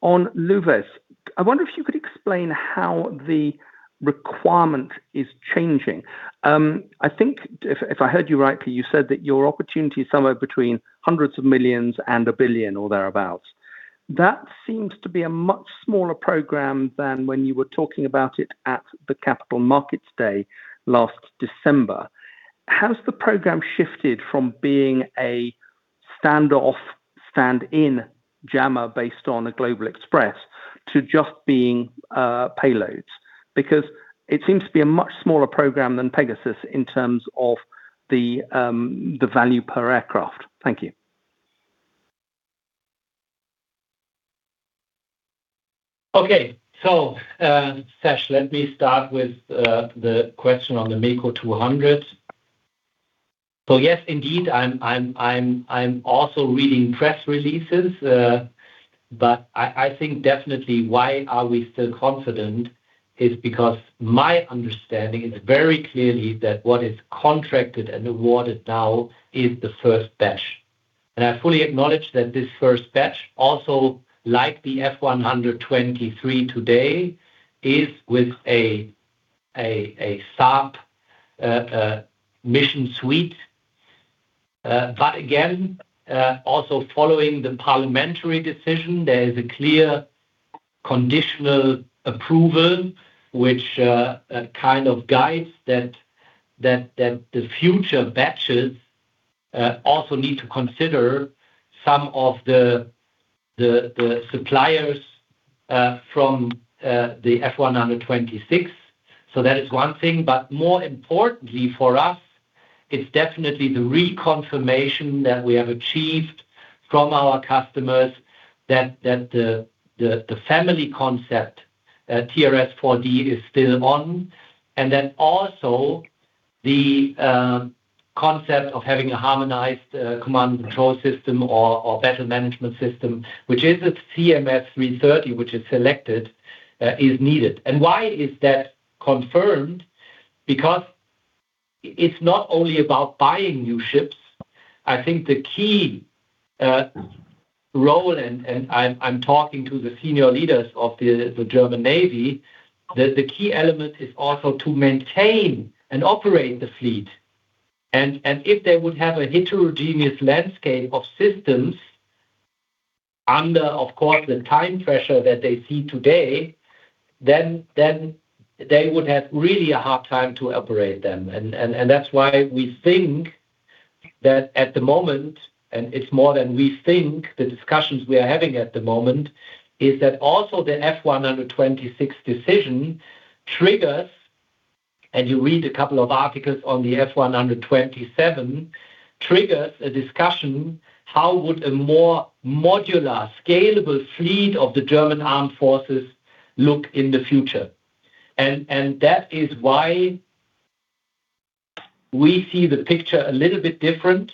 on luWES. I wonder if you could explain how the requirement is changing. I think if I heard you rightly, you said that your opportunity is somewhere between hundreds of millions and a billion or thereabouts. That seems to be a much smaller program than when you were talking about it at the Capital Markets Day last December. Has the program shifted from being a standoff, stand-in jammer based on a Global Express to just being payloads? It seems to be a much smaller program than PEGASUS in terms of the value per aircraft. Thank you. Okay, Sash, let me start with the question on the MEKO A-200. Yes, indeed, I am also reading press releases. I think definitely why are we still confident is because my understanding is very clearly that what is contracted and awarded now is the first batch. And I fully acknowledge that this first batch, also like the F123 today, is with a Saab mission suite. Again, also following the parliamentary decision, there is a clear conditional approval which guides that the future batches also need to consider some of the suppliers from the F126. That is one thing, but more importantly for us, it is definitely the reconfirmation that we have achieved from our customers that the family concept, TRS-4D, is still on. Also the concept of having a harmonized command and control system or battle management system, which is the CMS 330, which is selected, is needed. Why is that confirmed? Because it is not only about buying new ships. I think the key role, and I am talking to the senior leaders of the German Navy, that the key element is also to maintain and operate the fleet. And if they would have a heterogeneous landscape of systems under, of course, the time pressure that they see today, then they would have really a hard time to operate them. That is why we think that at the moment, and it is more than we think, the discussions we are having at the moment is that also the F126 decision triggers, and you read a couple of articles on the F127, triggers a discussion, how would a more modular, scalable fleet of the German Armed Forces look in the future? That is why we see the picture a little bit different,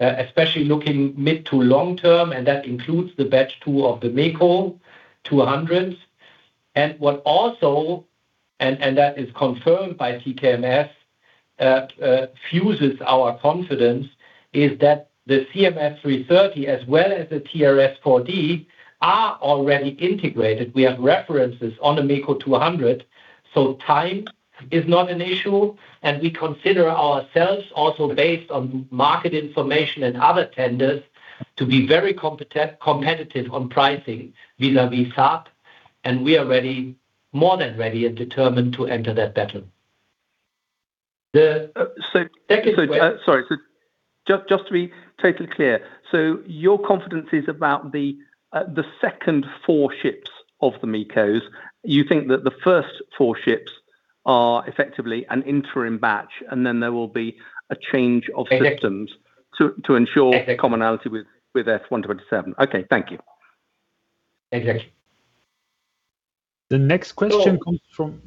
especially looking mid to long term, and that includes the batch 2 of the MEKO A-200. What also, and that is confirmed by TKMS, fuses our confidence is that the CMS 330 as well as the TRS-4D are already integrated. We have references on the MEKO A-200. Time is not an issue, and we consider ourselves also based on market information and other tenders to be very competitive on pricing vis-à-vis Saab. We are more than ready and determined to enter that battle. Sorry. Just to be totally clear, your confidence is about the second four ships of the MEKOs. You think that the first four ships are effectively an interim batch, and then there will be a change of systems- Exactly to ensure commonality with F127. Okay. Thank you. Exactly. The next question comes from.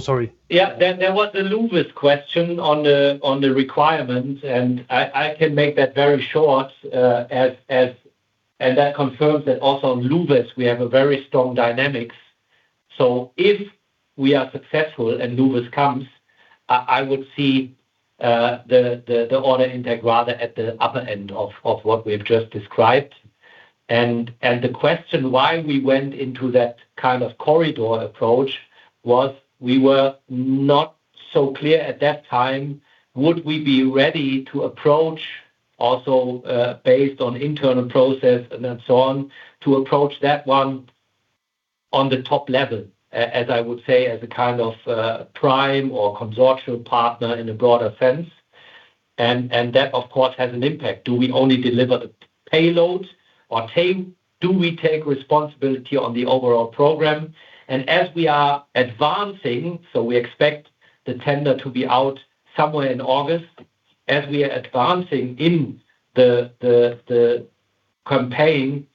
Sorry. Yeah. There was a luWES question on the requirement. I can make that very short, and that confirms that also on luWES, we have a very strong dynamics. If we are successful and luWES comes, I would see the order integrata at the upper end of what we have just described. The question why we went into that kind of corridor approach was we were not so clear at that time, would we be ready to approach also, based on internal process and then so on, to approach that one on the top level, as I would say, as a kind of prime or consortium partner in a broader sense. That, of course, has an impact. Do we only deliver the payload or do we take responsibility on the overall program? As we are advancing, we expect the tender to be out somewhere in August. As we are advancing in the campaign,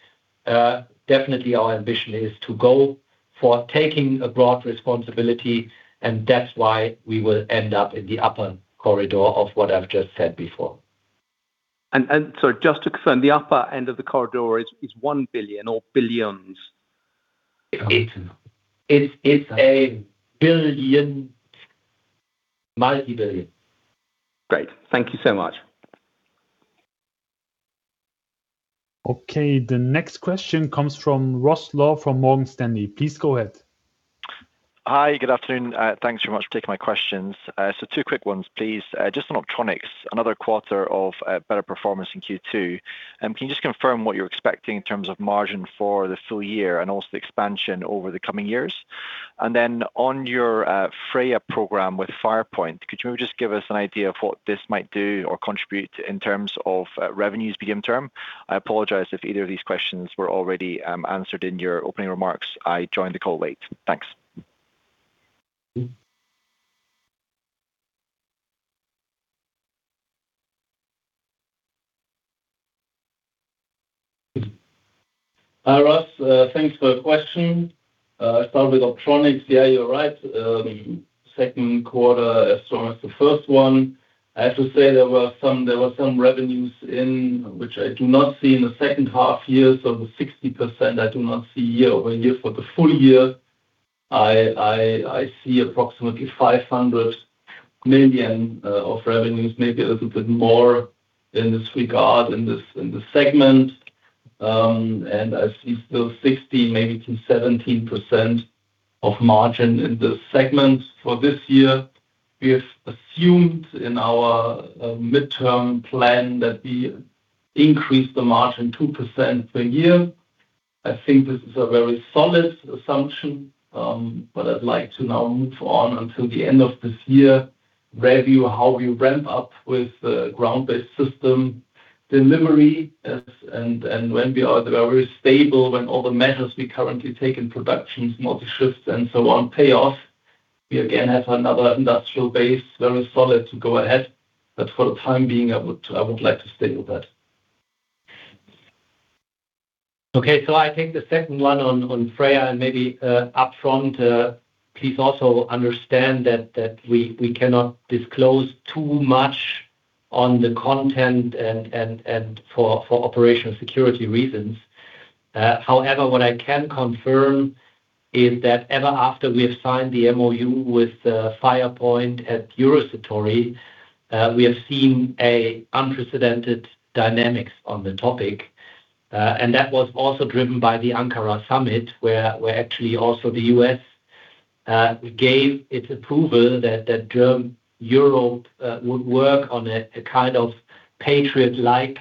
definitely our ambition is to go for taking a broad responsibility, and that's why we will end up in the upper corridor of what I've just said before. Sorry, just to confirm, the upper end of the corridor is 1 billion or billions? It's a billion, multi-billion. Great. Thank you so much. The next question comes from Ross Law from Morgan Stanley. Please go ahead. Hi. Good afternoon. Thanks very much for taking my questions. Two quick ones, please. Just on Optronics, another quarter of better performance in Q2. Can you just confirm what you're expecting in terms of margin for the full-year and also the expansion over the coming years? Then on your FREYJA program with Fire Point, could you just give us an idea of what this might do or contribute in terms of revenues medium-term? I apologize if either of these questions were already answered in your opening remarks. I joined the call late. Thanks. Hi, Ross. Thanks for the question. I'll start with Optronics. You're right. Second quarter, as strong as the first one. I have to say, there were some revenues in which I do not see in the second half year. The 60%, I do not see year-over-year for the full-year. I see approximately 500 million of revenues, maybe a little bit more in this regard, in this segment. And I see still 16%-17% of margin in the segment for this year. We have assumed in our midterm plan that we increase the margin 2% per year. I think this is a very solid assumption, but I'd like to now move on until the end of this year, review how we ramp up with the ground-based system delivery. When we are very stable, when all the measures we currently take in productions, multi-shifts and so on pay off, we again have another industrial base, very solid to go ahead. For the time being, I would like to stay with that. I take the second one on FREYJA and maybe upfront, please also understand that we cannot disclose too much on the content and for operational security reasons. However, what I can confirm is that ever after we have signed the MoU with Fire Point at Eurosatory, we have seen unprecedented dynamics on the topic. That was also driven by the Ankara summit, where actually also the U.S. gave its approval that Europe would work on a kind of Patriot-like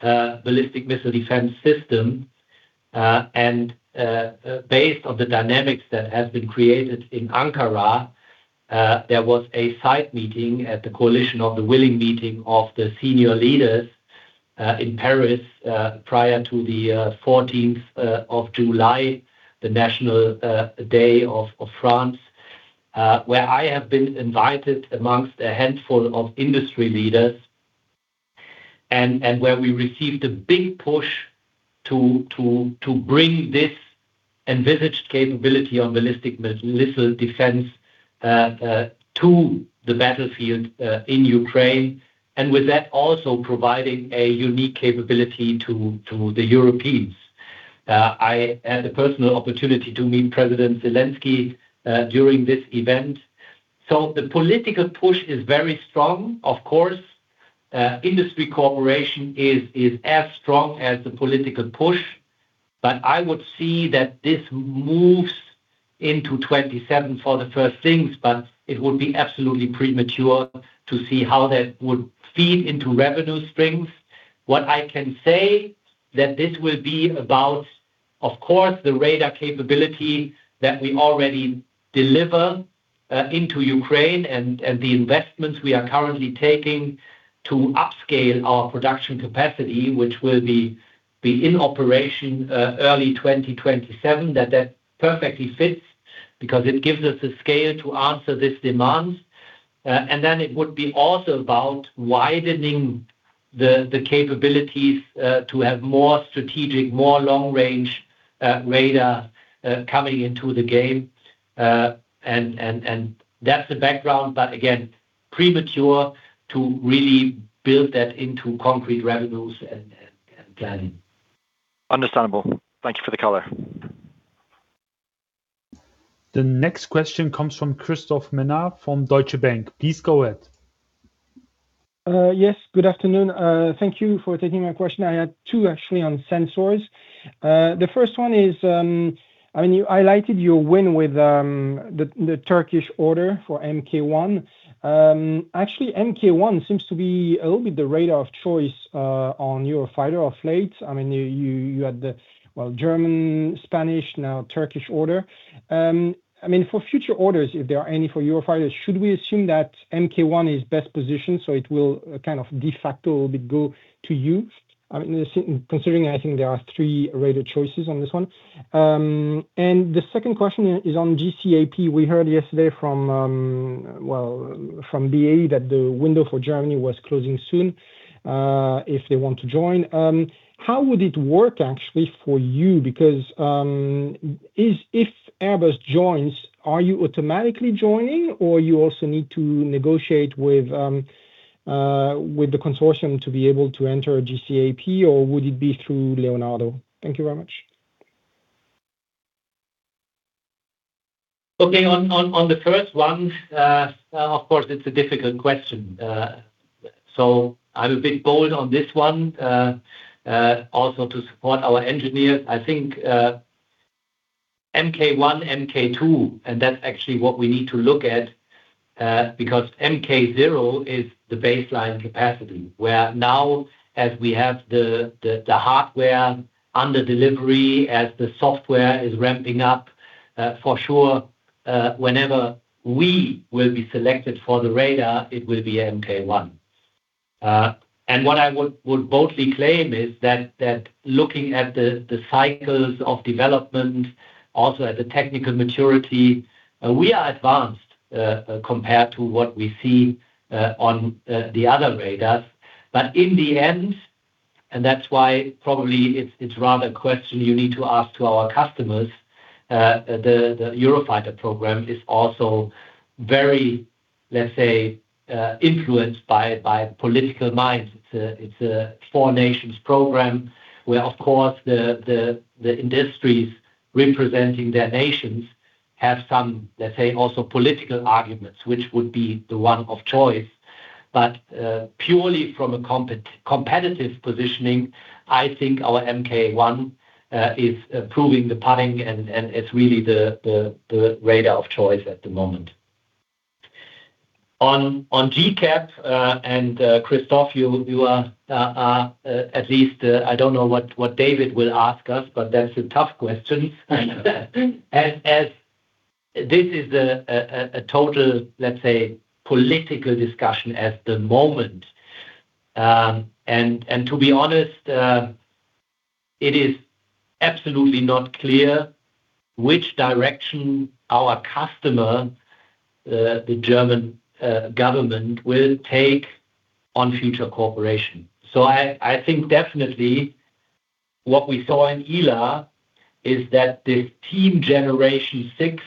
ballistic missile defense system. Based on the dynamics that has been created in Ankara, there was a side meeting at the Coalition of the Willing meeting of the senior leaders, in Paris, prior to the 14th of July, the National Day of France, where I have been invited amongst a handful of industry leaders and where we received a big push to bring this envisaged capability on ballistic missile defense to the battlefield in Ukraine. With that, also providing a unique capability to the Europeans. I had a personal opportunity to meet President Zelensky during this event. The political push is very strong, of course. Industry cooperation is as strong as the political push, but I would see that this moves into 2027 for the first things, but it would be absolutely premature to see how that would feed into revenue streams. What I can say, that this will be about, of course, the radar capability that we already deliver into Ukraine and the investments we are currently taking to upscale our production capacity, which will be in operation early 2027. That perfectly fits because it gives us the scale to answer this demand. Then it would be also about widening the capabilities to have more strategic, more long-range radar coming into the game. That's the background, but again, premature to really build that into concrete revenues and planning. Understandable. Thank you for the color. The next question comes from Christophe Menard from Deutsche Bank. Please go ahead. Good afternoon. Thank you for taking my question. I had two actually on sensors. The first one is, you highlighted your win with the Turkish order for Mk1. Actually, Mk1 seems to be a little bit the radar of choice on Eurofighter of late. You had the German, Spanish, now Turkish order. For future orders, if there are any for Eurofighters, should we assume that Mk1 is best positioned so it will de facto a bit go to you? Considering, I think there are three radar choices on this one. The second question is on GCAP. We heard yesterday from BAE Systems that the window for Germany was closing soon, if they want to join. How would it work actually for you? If Airbus joins, are you automatically joining or you also need to negotiate with the consortium to be able to enter GCAP, or would it be through Leonardo? Thank you very much. On the first one, of course, it's a difficult question. I'm a bit bold on this one. Also to support our engineers, I think, Mk1, Mk2, and that's actually what we need to look at. Mk0 is the baseline capacity, where now as we have the hardware under delivery, as the software is ramping up, for sure, whenever we will be selected for the radar, it will be Mk1. What I would boldly claim is that looking at the cycles of development, also at the technical maturity, we are advanced, compared to what we see on the other radars. In the end, and that's why probably it's rather a question you need to ask to our customers, the Eurofighter program is also very, let's say, influenced by political minds. It's a four nations program where, of course, the industries representing their nations have some, let's say, also political arguments, which would be the one of choice. Purely from a competitive positioning, I think our Mk1 is proving the pudding, and it's really the radar of choice at the moment. On GCAP, Christophe, you are at least, I don't know what David will ask us, but that's a tough question. This is a total, let's say, political discussion at the moment. To be honest, it is absolutely not clear which direction our customer, the German government, will take on future cooperation. I think definitely what we saw in ILA is that the team Generation 6,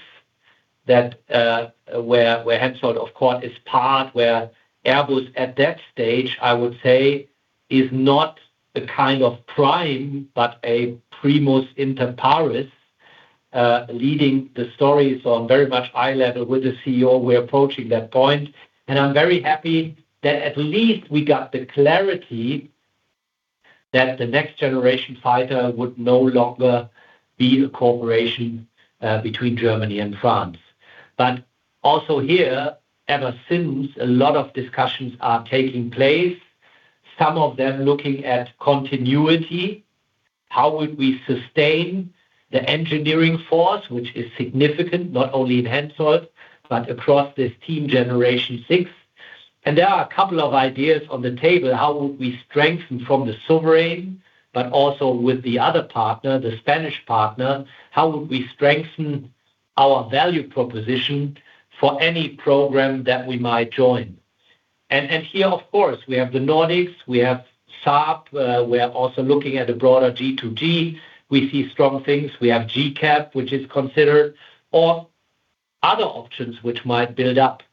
where Hensoldt, of course, is part, where Airbus at that stage, I would say, is not the kind of prime, but a primus inter pares leading the stories on very much eye level with the CEO. We are approaching that point, and I am very happy that at least we got the clarity that the next generation fighter would no longer be the cooperation between Germany and France. Also here, ever since, a lot of discussions are taking place, some of them looking at continuity. How would we sustain the engineering force, which is significant not only in Hensoldt, but across this team, Generation 6. There are a couple of ideas on the table, how would we strengthen from the sovereign, but also with the other partner, the Spanish partner, how would we strengthen our value proposition for any program that we might join? Here, of course, we have the Nordics, we have Saab. We are also looking at a broader G2G. We see strong things. We have GCAP, which is considered, or other options which might build up.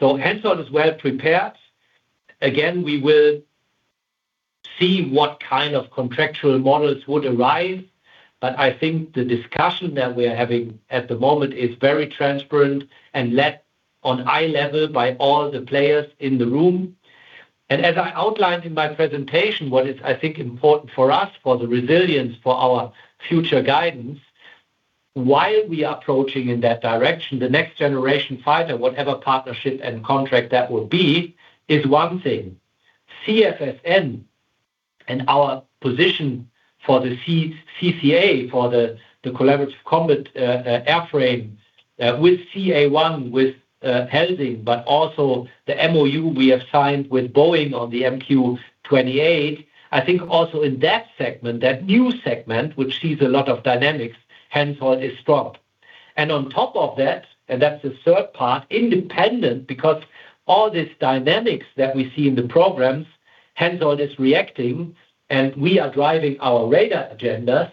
Hensoldt is well prepared. Again, we will see what kind of contractual models would arise, but I think the discussion that we are having at the moment is very transparent and led on eye level by all the players in the room. As I outlined in my presentation, what is, I think, important for us for the resilience for our future guidance, while we are approaching in that direction, the next generation fighter, whatever partnership and contract that will be, is one thing. CFSN and our position for the CCA, for the collaborative combat airframe with CA1, with Helsing, but also the MOU we have signed with Boeing on the MQ-28. I think also in that segment, that new segment, which sees a lot of dynamics, Hensoldt is strong. On top of that, and that is the third part, independent, because all these dynamics that we see in the programs, Hensoldt is reacting and we are driving our radar agendas,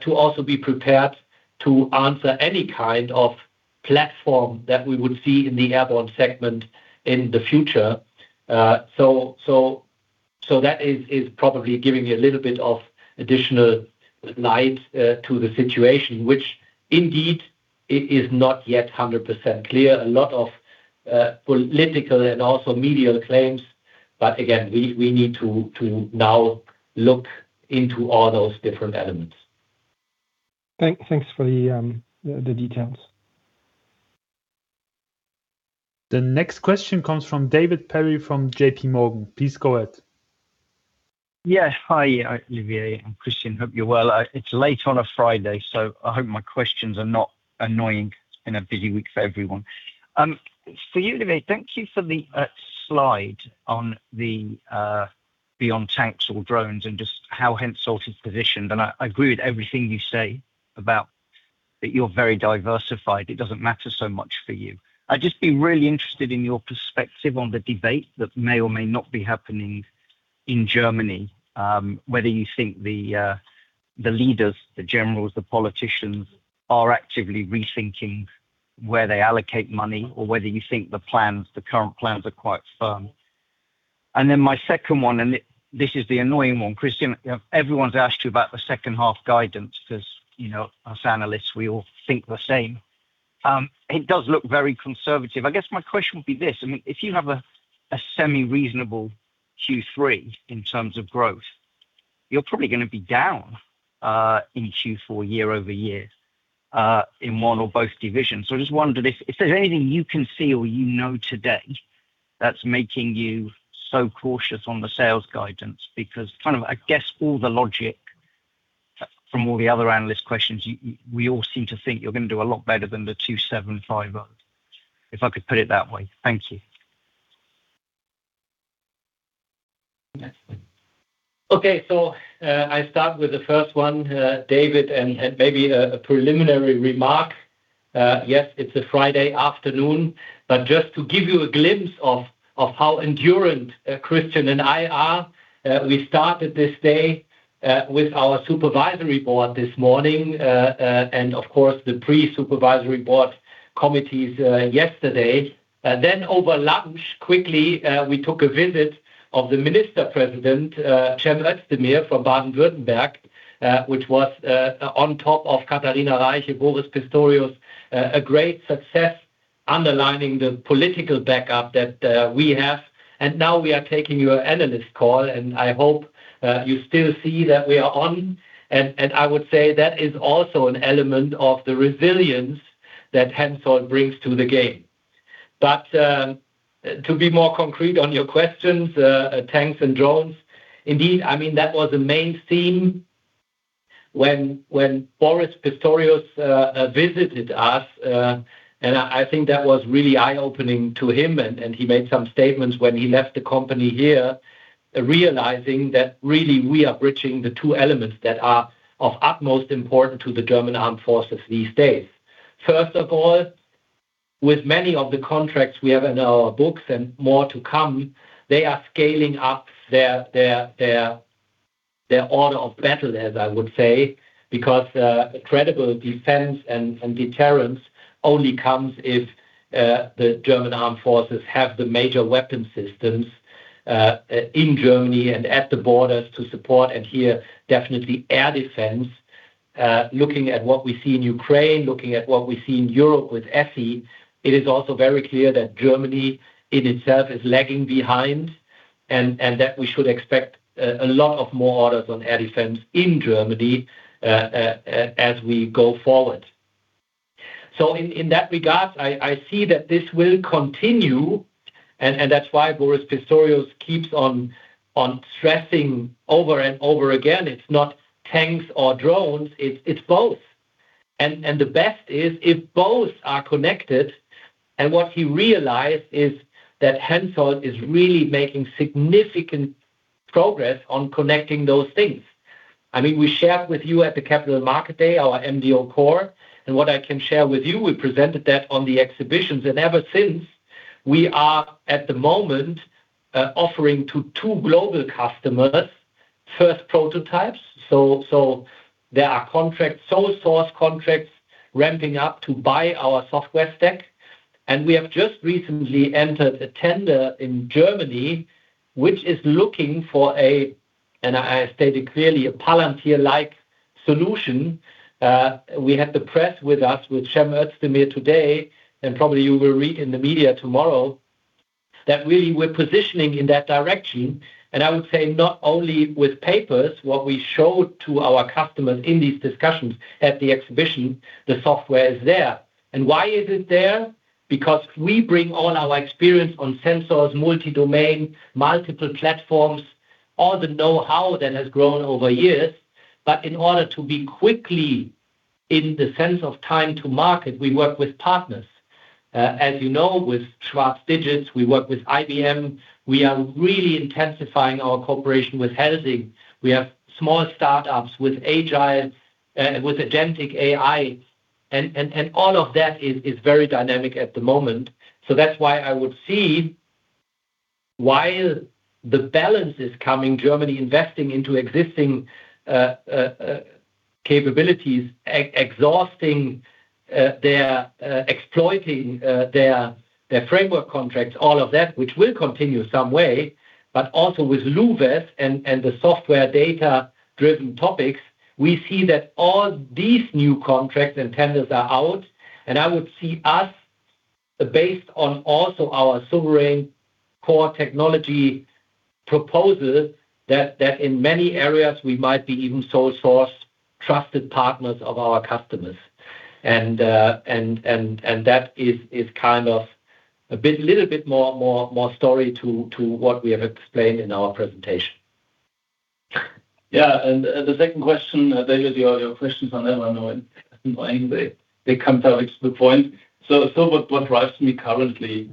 to also be prepared to answer any kind of platform that we would see in the airborne segment in the future. That is probably giving you a little bit of additional light to the situation, which indeed is not yet 100% clear. A lot of political and also media claims, but again, we need to now look into all those different elements. Thanks for the details. The next question comes from David Perry from JPMorgan. Please, go ahead. Hi, Oliver and Christian. Hope you are well. It is late on a Friday, so I hope my questions are not annoying in a busy week for everyone. For you, Oliver, thank you for the slide on the beyond tanks or drones and just how Hensoldt is positioned. I agree with everything you say about that you are very diversified. It does not matter so much for you. I would just be really interested in your perspective on the debate that may or may not be happening in Germany, whether you think the leaders, the generals, the politicians are actively rethinking where they allocate money or whether you think the current plans are quite firm. My second one, and this is the annoying one, Christian, everyone has asked you about the second-half guidance because, us analysts, we all think the same. It does look very conservative. I guess my question would be this, if you have a semi-reasonable Q3 in terms of growth, you are probably going to be down in Q4 year-over-year in one or both divisions. I just wonder if there is anything you can see or you know today that is making you so cautious on the sales guidance, because kind of, I guess all the logic from all the other analyst questions, we all seem to think you are going to do a lot better than the 275. If I could put it that way. Thank you. I start with the first one, David, maybe a preliminary remark. Yes, it is a Friday afternoon, but just to give you a glimpse of how enduring Christian and I are, we started this day with our supervisory board this morning, of course, the pre-supervisory board committees yesterday. Over lunch, quickly, we took a visit of the Minister-President Kretschmann from Baden-Württemberg Which was on top of Katarina Barley, Boris Pistorius, a great success underlining the political backup that we have. Now we are taking your analyst call, I hope you still see that we are on. I would say that is also an element of the resilience that Hensoldt brings to the game. To be more concrete on your questions, tanks and drones. Indeed, that was the main theme when Boris Pistorius visited us. I think that was really eye-opening to him, and he made some statements when he left the company here, realizing that really we are bridging the two elements that are of utmost importance to the German Armed Forces these days. First of all, with many of the contracts we have in our books and more to come, they are scaling up their order of battle, as I would say, because a credible defense and deterrence only comes if the German Armed Forces have the major weapon systems in Germany and at the borders to support, and here, definitely air defense. Looking at what we see in Ukraine, looking at what we see in Europe with FREYA, it is also very clear that Germany in itself is lagging behind, and that we should expect a lot of more orders on air defense in Germany as we go forward. In that regard, I see that this will continue, and that's why Boris Pistorius keeps on stressing over and over again, it's not tanks or drones, it's both. The best is if both are connected. What he realized is that Hensoldt is really making significant progress on connecting those things. We shared with you at the Capital Market Day, our MDOcore, and what I can share with you, we presented that on the exhibitions. Ever since, we are at the moment offering to two global customers first prototypes. There are sole source contracts ramping up to buy our software stack. We have just recently entered a tender in Germany, which is looking for a, and I state it clearly, a Palantir-like solution. We had the press with us with Cem Özdemir today, probably you will read in the media tomorrow that really we're positioning in that direction. I would say not only with papers, what we showed to our customers in these discussions at the exhibition, the software is there. Why is it there? Because we bring all our experience on sensors, multi-domain, multiple platforms, all the know-how that has grown over years. In order to be quickly in the sense of time to market, we work with partners. As you know, with Schwarz Digits, we work with IBM. We are really intensifying our cooperation with Helsing. We have small startups with Agile, with Agentic AI, and all of that is very dynamic at the moment. That's why I would see why the balance is coming, Germany investing into existing capabilities, exhausting, they're exploiting their framework contracts, all of that, which will continue some way, but also with luWES and the software data-driven topics, we see that all these new contracts and tenders are out. I would see us, based on also our sovereign core technology proposals, that in many areas, we might be even sole source, trusted partners of our customers. That is a little bit more story to what we have explained in our presentation. Yeah. The second question, David, your questions are never annoying. They come directly to the point. What drives me currently,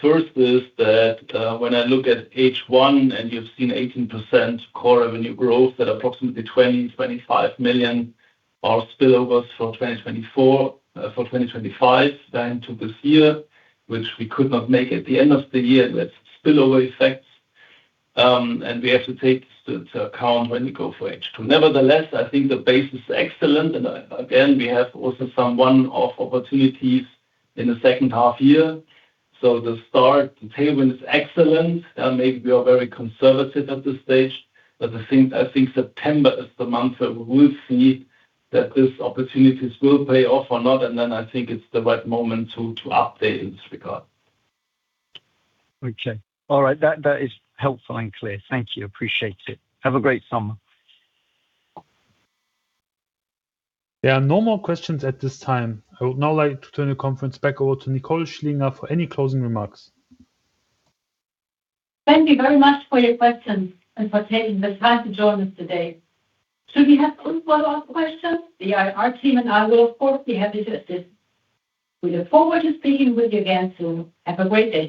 first is that when I look at H1 and you've seen 18% core revenue growth at approximately 20 million-25 million are spillovers for 2025 then to this year, which we could not make at the end of the year with spillover effects. We have to take this into account when we go for H2. Nevertheless, I think the base is excellent. Again, we have also some one-off opportunities in the second half year. The start, the table is excellent. Maybe we are very conservative at this stage, I think September is the month that we will see that these opportunities will pay off or not. Then I think it's the right moment to update in this regard. That is helpful and clear. Thank you. Appreciate it. Have a great summer. There are no more questions at this time. I would now like to turn the conference back over to Nicole Schillinger for any closing remarks. Thank you very much for your questions and for taking the time to join us today. Should you have any follow-up questions, the IR team and I will of course be happy to assist. We look forward to speaking with you again soon. Have a great day.